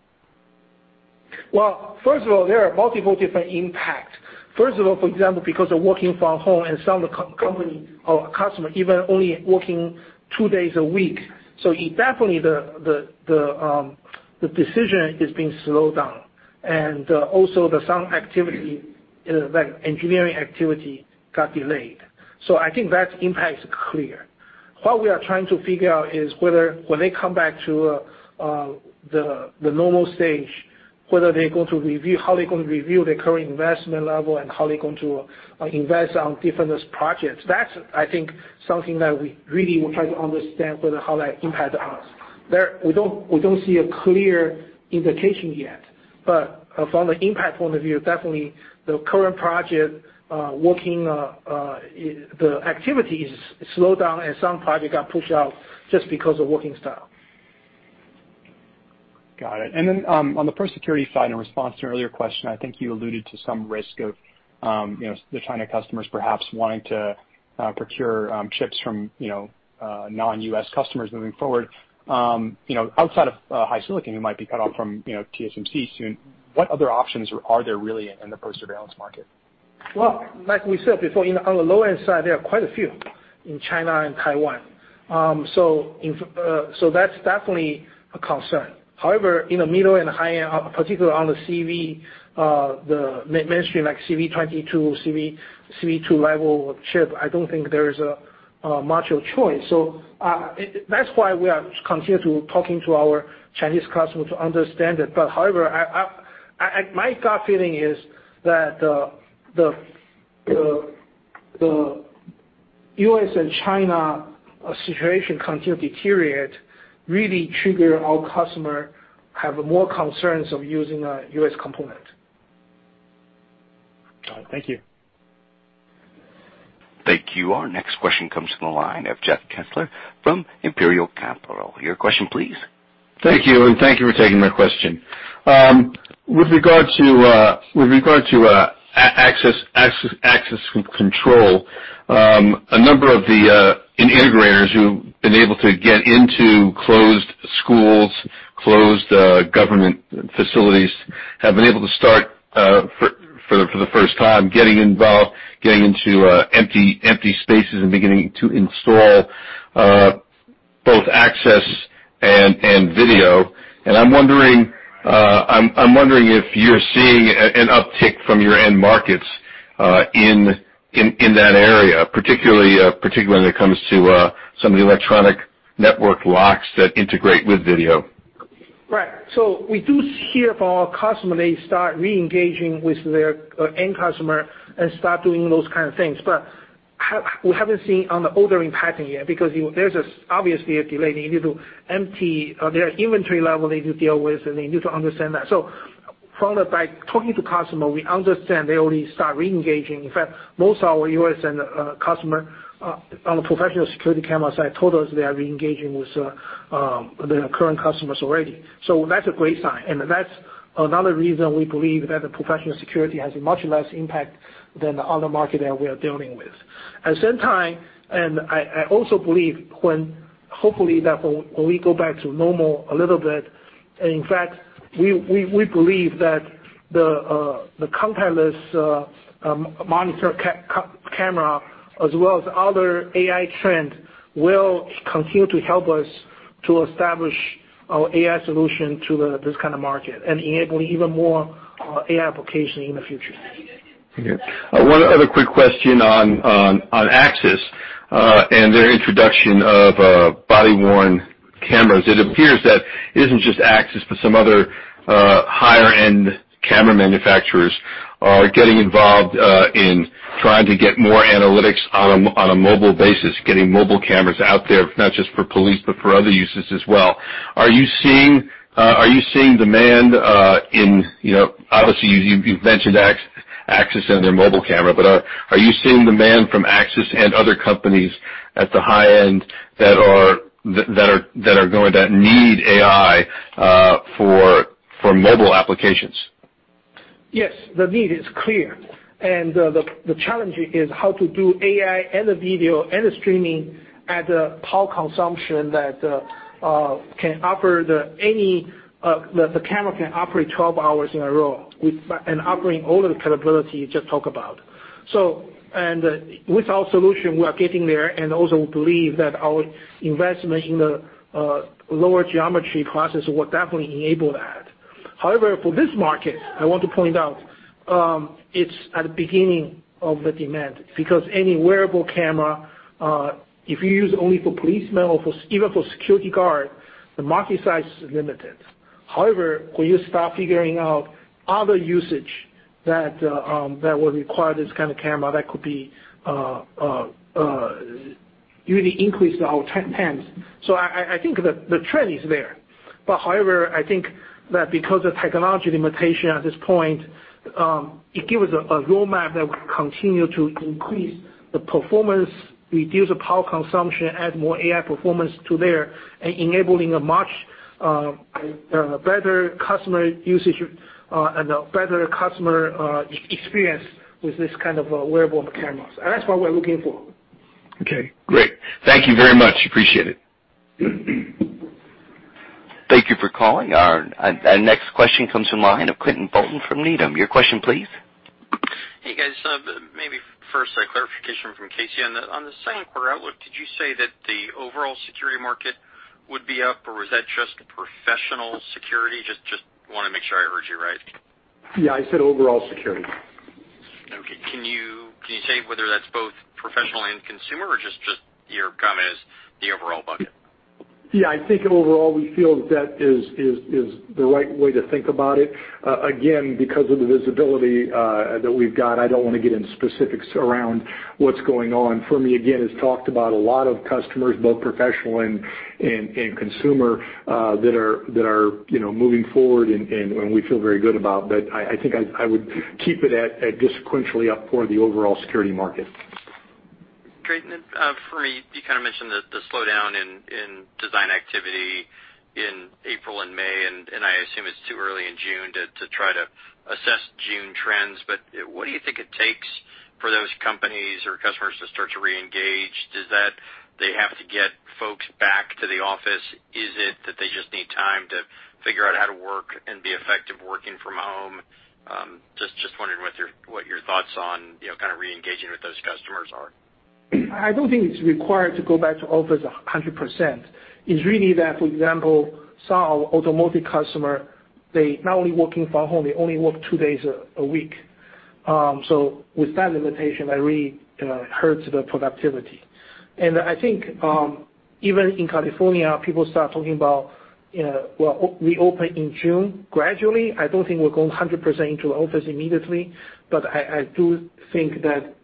Well, first of all, there are multiple different impacts. First of all, for example, because of working from home and some of the company or customers even only working two days a week. So definitely, the decision is being slowed down. And also, some activity, like engineering activity, got delayed. So I think that impact is clear. What we are trying to figure out is whether when they come back to the normal stage, whether they're going to review how they're going to review their current investment level and how they're going to invest on different projects. That's, I think, something that we really will try to understand whether how that impacted us. We don't see a clear indication yet. But from the impact point of view, definitely, the current project working, the activity is slowed down and some projects got pushed out just because of working style. Got it. And then on the perimeter security side in response to an earlier question, I think you alluded to some risk of the China customers perhaps wanting to procure chips from non-US customers moving forward. Outside of HiSilicon, you might be cut off from TSMC soon. What other options are there really in the perimeter surveillance market? Well, like we said before, on the low-end side, there are quite a few in China and Taiwan. So that's definitely a concern. However, in the middle and high-end, particularly on the CV, the mainstream like CV22, CV2 level chip, I don't think there is much of a choice. So that's why we are continuing to talk to our Chinese customers to understand it. But however, my gut feeling is that the U.S. and China situation continues to deteriorate, really trigger our customers have more concerns of using a U.S. component. All right. Thank you. Thank you. Our next question comes from the line of Jeff Kessler from Imperial Capital. Your question, please. Thank you. And thank you for taking my question. With regard to access control, a number of the integrators who've been able to get into closed schools, closed government facilities, have been able to start for the first time getting involved, getting into empty spaces and beginning to install both access and video, and I'm wondering if you're seeing an uptick from your end markets in that area, particularly when it comes to some of the electronic network locks that integrate with video. Right, so we do hear from our customers they start re-engaging with their end customer and start doing those kind of things. But we haven't seen on the ordering pattern yet because there's obviously a delay. They need to empty their inventory level they need to deal with and they need to understand that. By talking to customers, we understand they already start re-engaging. In fact, most of our U.S. customers on the professional security camera side told us they are re-engaging with the current customers already. So that's a great sign. And that's another reason we believe that the professional security has much less impact than the other market that we are dealing with. At the same time, and I also believe hopefully that when we go back to normal a little bit, in fact, we believe that the contactless monitor camera as well as other AI trends will continue to help us to establish our AI solution to this kind of market and enabling even more AI applications in the future. One other quick question on Axis and their introduction of body-worn cameras. It appears that it isn't just Axis, but some other higher-end camera manufacturers are getting involved in trying to get more analytics on a mobile basis, getting mobile cameras out there, not just for police but for other uses as well. Are you seeing demand? Obviously, you've mentioned Axis and their mobile camera, but are you seeing demand from Axis and other companies at the high end that are going to need AI for mobile applications? Yes. The need is clear. And the challenge is how to do AI and the video and the streaming at a power consumption that can offer the camera can operate 12 hours in a row and offering all of the capabilities you just talked about. And with our solution, we are getting there. And also, we believe that our investment in the lower geometry process will definitely enable that. However, for this market, I want to point out it's at the beginning of the demand. Because any wearable camera, if you use it only for policemen or even for security guards, the market size is limited. However, when you start figuring out other usage that will require this kind of camera, that could be really increased our TAMs. So I think the trend is there. But however, I think that because of technology limitation at this point, it gives us a roadmap that will continue to increase the performance, reduce the power consumption, add more AI performance to there, and enabling a much better customer usage and a better customer experience with this kind of wearable cameras. And that's what we're looking for. Okay. Great. Thank you very much. Appreciate it. Thank you for calling. Our next question comes from the line of Quinn Bolton from Needham. Your question, please. Hey, guys. Maybe first a clarification from Casey. On the second quarter outlook, did you say that the overall security market would be up, or was that just professional security? Just want to make sure I heard you right. Yeah. I said overall security. Okay. Can you say whether that's both professional and consumer, or just your comment is the overall bucket? Yeah. I think overall we feel that is the right way to think about it. Again, because of the visibility that we've got, I don't want to get into specifics around what's going on. Fermi, again, has talked about a lot of customers, both professional and consumer, that are moving forward and we feel very good about. But I think I would keep it at just sequentially up for the overall security market. Great. Then Fermi, you kind of mentioned the slowdown in design activity in April and May. I assume it's too early in June to try to assess June trends. What do you think it takes for those companies or customers to start to re-engage? Does that they have to get folks back to the office? Is it that they just need time to figure out how to work and be effective working from home? Just wondering what your thoughts on kind of re-engaging with those customers are. I don't think it's required to go back to office 100%. It's really that, for example, some of our automotive customers, they not only working from home, they only work two days a week. So with that limitation, that really hurts the productivity. I think even in California, people start talking about, "Well, we open in June gradually." I don't think we're going 100% into the office immediately. But I do think that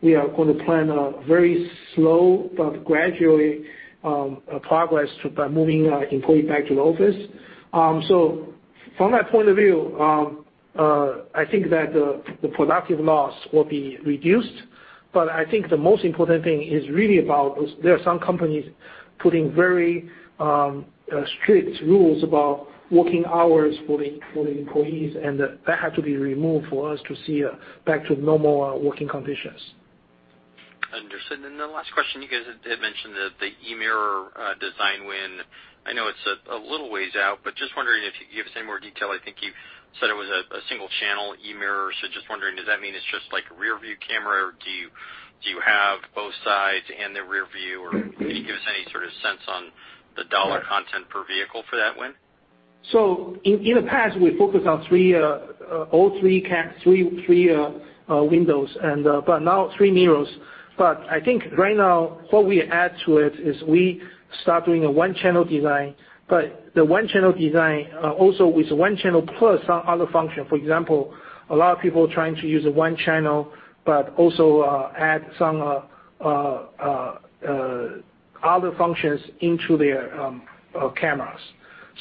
we are going to plan a very slow but gradually progress by moving employees back to the office. So from that point of view, I think that the productive loss will be reduced. But I think the most important thing is really about there are some companies putting very strict rules about working hours for the employees. And that has to be removed for us to see back to normal working conditions. Understood. And then the last question, you guys had mentioned the E-mirror design win. I know it's a little ways out, but just wondering if you give us any more detail. I think you said it was a single-channel E-mirror. So just wondering, does that mean it's just like a rearview camera, or do you have both sides and the rearview? Or can you give us any sort of sense on the dollar content per vehicle for that win? So in the past, we focused on all three windows, but now three mirrors. But I think right now, what we add to it is we start doing a one-channel design. But the one-channel design also is one-channel plus some other function. For example, a lot of people are trying to use a one-channel but also add some other functions into their cameras.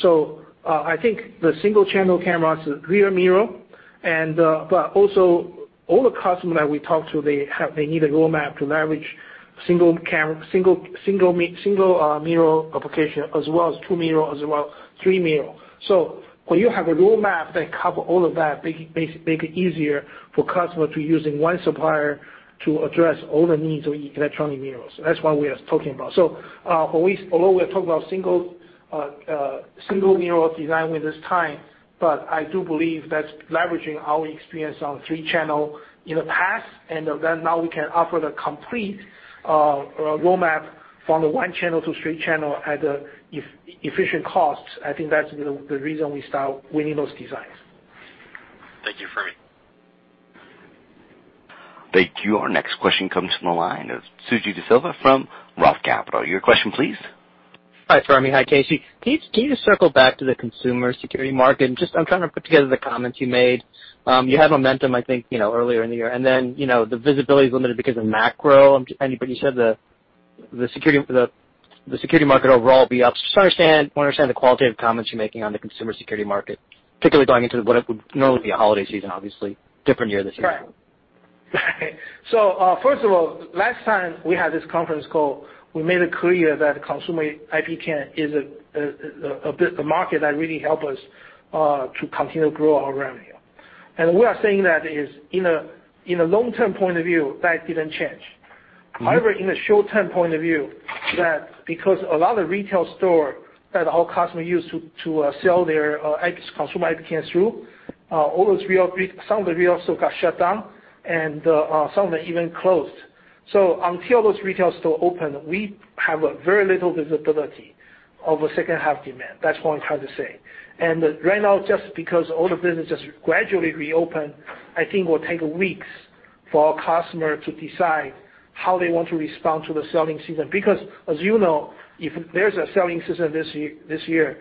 So I think the single-channel camera is a rear mirror. But also, all the customers that we talk to, they need a roadmap to leverage single mirror application as well as two mirrors as well, three mirrors. So when you have a roadmap that covers all of that, it makes it easier for customers to use one supplier to address all the needs of electronic mirrors. That's what we are talking about. So although we are talking about single mirror design with this time, but I do believe that's leveraging our experience on three-channel in the past. And now we can offer the complete roadmap from the one-channel to three-channel at efficient costs. I think that's the reason we start winning those designs. Thank you, Fermi. Thank you. Our next question comes from the line of Suji Desilva from Roth Capital. Your question, please. Hi, Fermi. Hi, Casey. Can you just circle back to the consumer security market? I'm trying to put together the comments you made. You had momentum, I think, earlier in the year. And then the visibility is limited because of macro. But you said the security market overall will be up. Just want to understand the qualitative comments you're making on the consumer security market, particularly going into what would normally be a holiday season, obviously. Different year this year. Correct. So first of all, last time we had this conference call, we made it clear that consumer IP cam is a market that really helps us to continue to grow our revenue. And we are saying that in the long-term point of view, that didn't change. However, in the short-term point of view, because a lot of retail stores that our customers use to sell their consumer IP cams through, some of the retail stores got shut down, and some of them even closed. So until those retail stores open, we have very little visibility of the second-half demand. That's what I'm trying to say. Right now, just because all the business just gradually reopened, I think it will take weeks for our customers to decide how they want to respond to the selling season. Because as you know, if there's a selling season this year,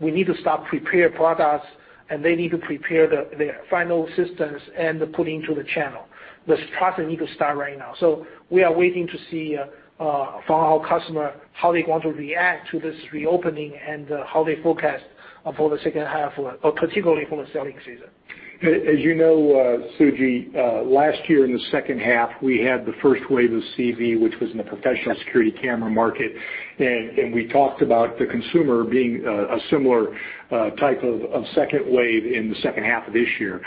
we need to start preparing products, and they need to prepare their final systems and put into the channel. The process needs to start right now. We are waiting to see from our customers how they want to react to this reopening and how they forecast for the second half, particularly for the selling season. As you know, Suji, last year in the second half, we had the first wave of CV, which was in the professional security camera market. We talked about the consumer being a similar type of second wave in the second half of this year.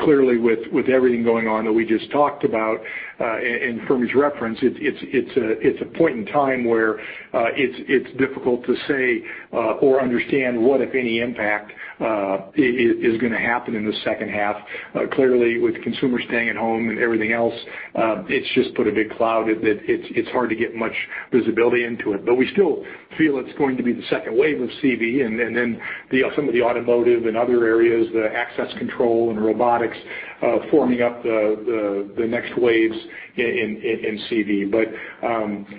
Clearly, with everything going on that we just talked about and Fermi's reference, it's a point in time where it's difficult to say or understand what, if any, impact is going to happen in the second half. Clearly, with consumers staying at home and everything else, it's just put a big cloud that it's hard to get much visibility into it. But we still feel it's going to be the second wave of CV. And then some of the automotive and other areas, the access control and robotics forming up the next waves in CV. But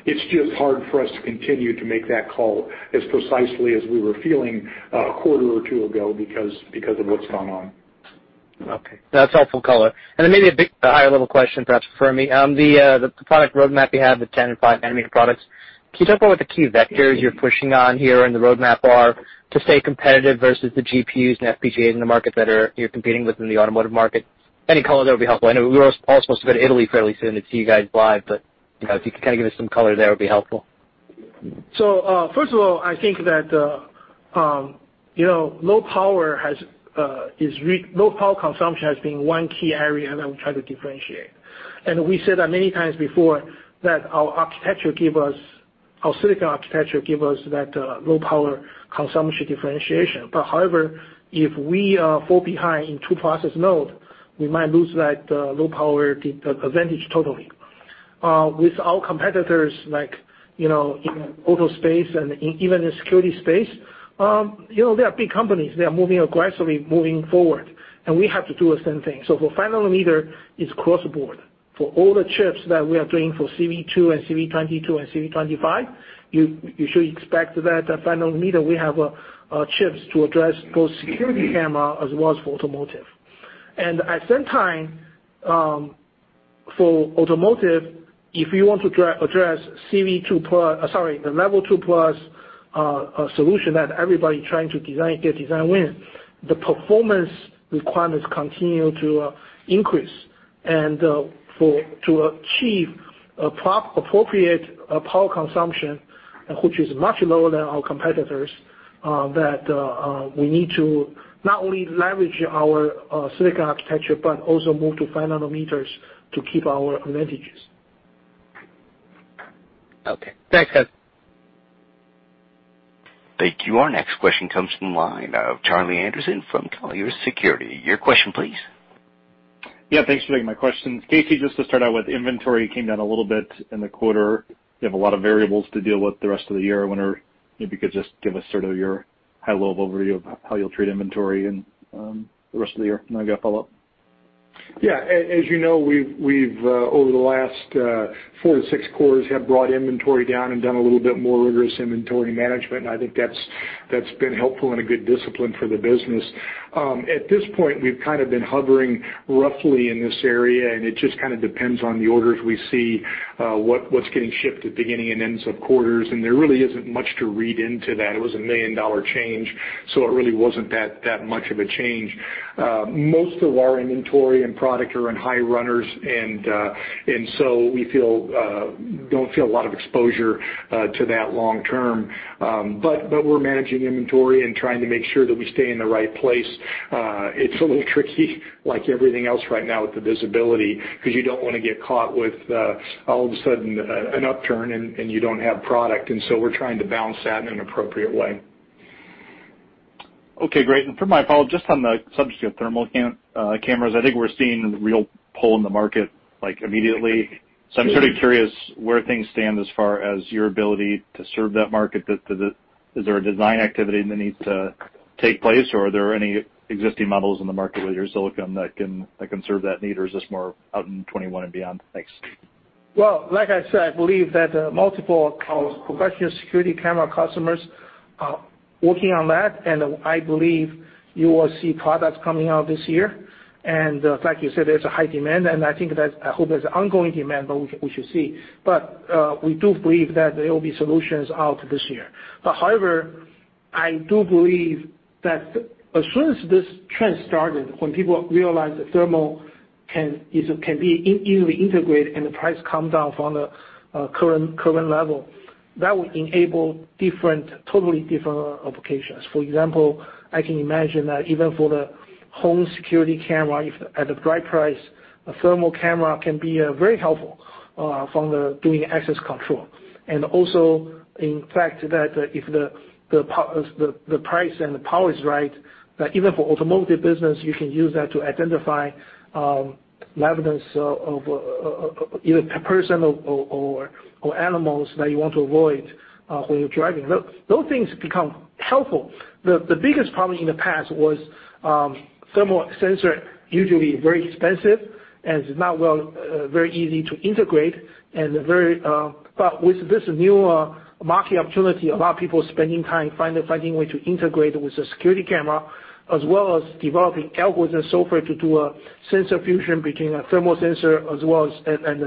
it's just hard for us to continue to make that call as precisely as we were feeling a quarter or two ago because of what's gone on. Okay. That's helpful color. And then maybe a higher-level question, perhaps, Fermi. The product roadmap you have, the 10- and 5-nanometer products, can you talk about what the key vectors you're pushing on here in the roadmap are to stay competitive versus the GPUs and FPGAs in the market that you're competing with in the automotive market? Any color that would be helpful. I know we're all supposed to go to Italy fairly soon to see you guys live. But if you could kind of give us some color there, it would be helpful. So first of all, I think that low power consumption has been one key area that we try to differentiate. And we said that many times before that our silicon architecture gives us that low power consumption differentiation. But however, if we fall behind in two process nodes, we might lose that low power advantage totally. With our competitors in the auto space and even in the security space, they are big companies. They are moving aggressively, moving forward. And we have to do the same thing. So for FinFET, it's across the board. For all the chips that we are doing for CV2 and CV22 and CV25, you should expect that FinFET we have chips to address both security camera as well as for automotive. And at the same time, for automotive, if you want to address CV2+ sorry, the Level 2+ solution that everybody's trying to get design win, the performance requirements continue to increase. And to achieve appropriate power consumption, which is much lower than our competitors, that we need to not only leverage our silicon architecture but also move to FinFETs to keep our advantages. Okay. Thanks, guys. Thank you. Our next question comes from the line of Charlie Anderson from Colliers Securities. Your question, please. Yeah. Thanks for taking my question. Casey, just to start out with, inventory came down a little bit in the quarter. You have a lot of variables to deal with the rest of the year. I wonder if you could just give us sort of your high-level overview of how you'll treat inventory in the rest of the year. And then I've got a follow-up. Yeah. As you know, over the last four to six quarters, we have brought inventory down and done a little bit more rigorous inventory management. And I think that's been helpful and a good discipline for the business. At this point, we've kind of been hovering roughly in this area. It just kind of depends on the orders we see, what's getting shipped at beginning and ends of quarters. There really isn't much to read into that. It was a $1 million change. So it really wasn't that much of a change. Most of our inventory and product are in high runners. We don't feel a lot of exposure to that long-term. We're managing inventory and trying to make sure that we stay in the right place. It's a little tricky, like everything else right now with the visibility, because you don't want to get caught with, all of a sudden, an upturn and you don't have product. We're trying to balance that in an appropriate way. Okay. Great. For my apology, just on the subject of thermal cameras, I think we're seeing a real pull in the market immediately. I'm sort of curious where things stand as far as your ability to serve that market. Is there a design activity that needs to take place, or are there any existing models in the market with your silicon that can serve that need, or is this more out in 2021 and beyond? Thanks. Like I said, I believe that multiple professional security camera customers are working on that. I believe you will see products coming out this year. Like you said, there's a high demand. I hope there's ongoing demand, but we should see. We do believe that there will be solutions out this year. However, I do believe that as soon as this trend started, when people realize that thermal can be easily integrated and the price comes down from the current level, that will enable totally different applications. For example, I can imagine that even for the home security camera, at the right price, a thermal camera can be very helpful for doing access control. And also, in fact, that if the price and the power is right, that even for automotive business, you can use that to identify the evidence of either a person or animals that you want to avoid when you're driving. Those things become helpful. The biggest problem in the past was thermal sensor usually very expensive and not very easy to integrate. But with this new market opportunity, a lot of people are spending time finding ways to integrate with a security camera, as well as developing algorithms so far to do a sensor fusion between a thermal sensor and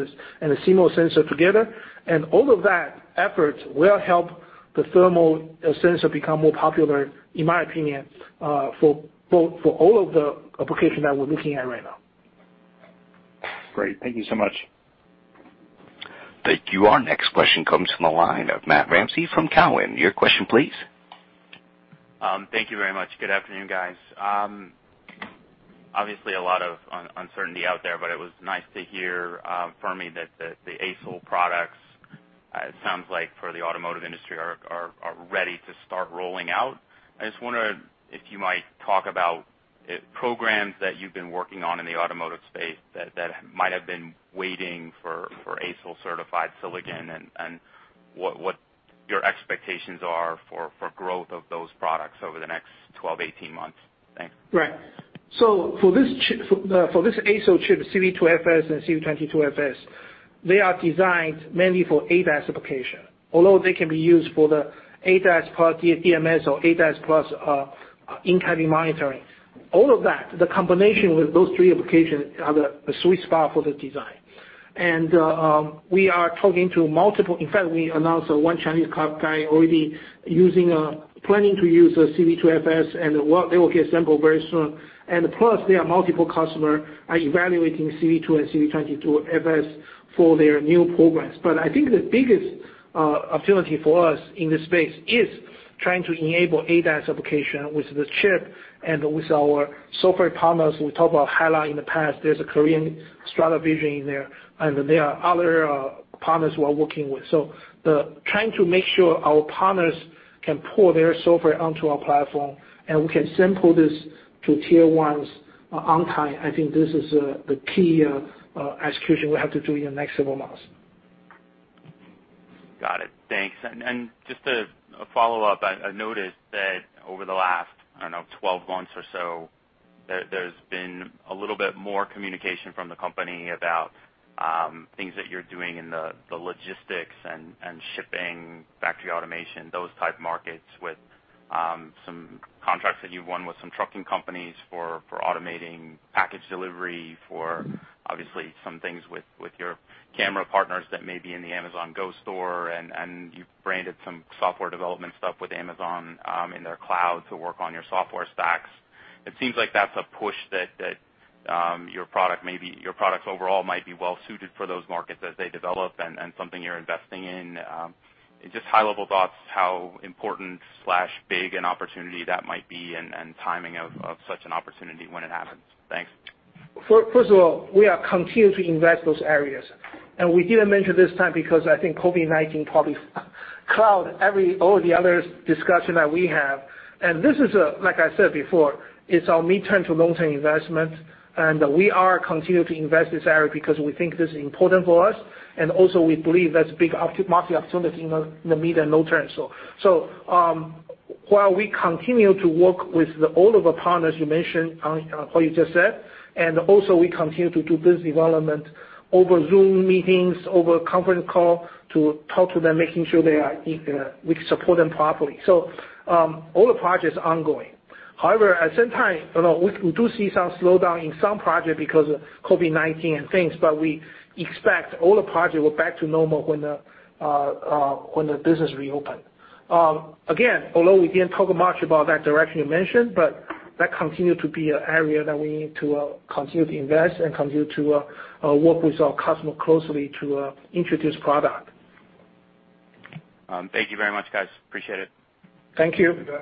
a CMOS sensor together. And all of that effort will help the thermal sensor become more popular, in my opinion, for all of the applications that we're looking at right now. Great. Thank you so much. Thank you. Our next question comes from the line of Matt Ramsay from Cowen. Your question, please. Thank you very much. Good afternoon, guys. Obviously, a lot of uncertainty out there, but it was nice to hear from Fermi that the ASIL products, it sounds like for the automotive industry, are ready to start rolling out. I just wonder if you might talk about programs that you've been working on in the automotive space that might have been waiting for ASIL-certified silicon and what your expectations are for growth of those products over the next 12-18 months. Thanks. Right. So for this ASIL chip, CV2FS and CV22FS, they are designed mainly for ADAS application. Although they can be used for the ADAS + DMS or ADAS+ in-cabin monitoring, all of that, the combination with those three applications are the sweet spot for the design. And we are talking to multiple. In fact, we announced one Chinese OEM already planning to use CV2FS, and they will get assembled very soon. And plus, there are multiple customers evaluating CV2 and CV22FS for their new programs. But I think the biggest opportunity for us in this space is trying to enable ADAS application with the chip and with our software partners. We talked about HELLA in the past. There's a Korean StradVision in there. And there are other partners we're working with. So trying to make sure our partners can pull their software onto our platform, and we can sample this to tier ones on time. I think this is the key execution we have to do in the next several months. Got it. Thanks, and just a follow-up. I noticed that over the last, I don't know, 12 months or so, there's been a little bit more communication from the company about things that you're doing in the logistics and shipping, factory automation, those type markets with some contracts that you've won with some trucking companies for automating package delivery for, obviously, some things with your camera partners that may be in the Amazon Go store, and you branded some software development stuff with Amazon in their cloud to work on your software stacks. It seems like that's a push that your products overall might be well-suited for those markets as they develop and something you're investing in. Just high-level thoughts, how important/big an opportunity that might be and timing of such an opportunity when it happens. Thanks. First of all, we are continuing to invest in those areas, and we didn't mention this time because I think COVID-19 probably clouded all the other discussions that we have, and this is, like I said before, it's our mid-term to long-term investment, and we are continuing to invest in this area because we think this is important for us, and also, we believe that's a big market opportunity in the mid- and long-term story, so while we continue to work with all of our partners you mentioned, what you just said, and also, we continue to do business development over Zoom meetings, over conference calls to talk to them, making sure we can support them properly, so all the projects are ongoing. However, at the same time, we do see some slowdown in some projects because of COVID-19 and things. But we expect all the projects will be back to normal when the business reopens. Again, although we didn't talk much about that direction you mentioned, but that continues to be an area that we need to continue to invest and continue to work with our customers closely to introduce product. Thank you very much, guys. Appreciate it. Thank you. Thank you.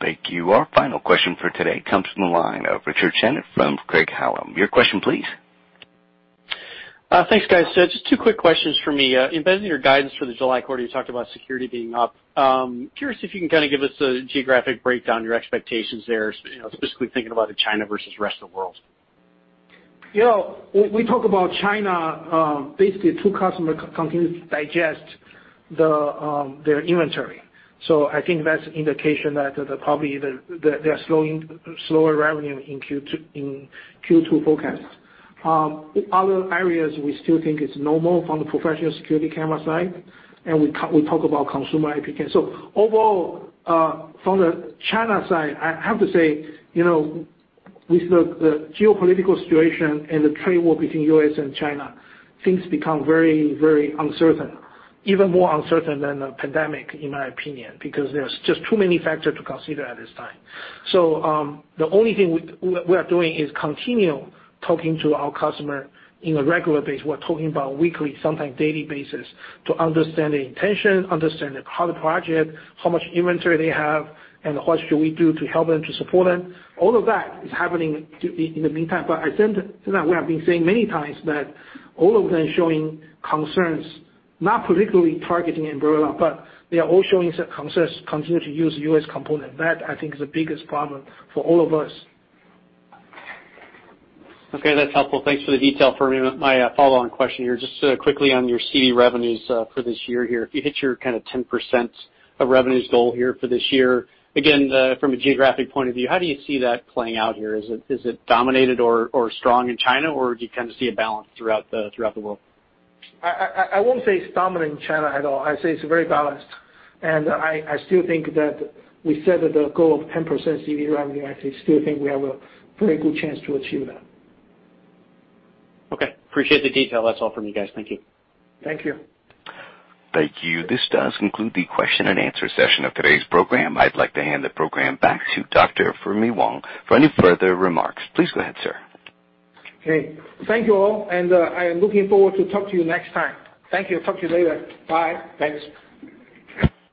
Our final question for today comes from the line of Richard Shannon from Craig-Hallum. Your question, please. Thanks, guys. Just two quick questions for me. In bending your guidance for the July quarter, you talked about security being up. Curious if you can kind of give us a geographic breakdown, your expectations there, specifically thinking about China versus the rest of the world. We talk about China, basically, two customers continue to digest their inventory, so I think that's an indication that probably they are slowing slower revenue in Q2 forecast. Other areas, we still think it's normal from the professional security camera side, and we talk about consumer IP cam. So overall, from the China side, I have to say, with the geopolitical situation and the trade war between the U.S. and China, things become very, very uncertain. Even more uncertain than the pandemic, in my opinion, because there's just too many factors to consider at this time, so the only thing we are doing is continue talking to our customers on a regular basis. We're talking about weekly, sometimes daily basis, to understand their intention, understand the project, how much inventory they have, and what should we do to help them to support them. All of that is happening in the meantime. But as I said, we have been saying many times that all of them are showing concerns, not particularly targeting Ambarella, but they are all showing concerns to continue to use the U.S. component. That I think is the biggest problem for all of us. Okay. That's helpful. Thanks for the detail for me. My follow-on question here, just quickly on your CV revenues for this year here. If you hit your kind of 10% of revenues goal here for this year, again, from a geographic point of view, how do you see that playing out here? Is it dominated or strong in China, or do you kind of see a balance throughout the world? I won't say it's dominant in China at all. I'd say it's very balanced. And I still think that we set the goal of 10% CV revenue. I still think we have a very good chance to achieve that. Okay. Appreciate the detail. That's all from you guys. Thank you. Thank you. Thank you. This does conclude the question-and-answer session of today's program. I'd like to hand the program back to Dr. Fermi Wang for any further remarks. Please go ahead, sir. Okay. Thank you all, and I am looking forward to talk to you next time. Thank you. Talk to you later. Bye. Thanks.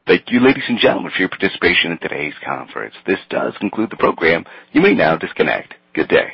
Thank you, ladies and gentlemen, for your participation in today's conference. This does conclude the program. You may now disconnect. Good day.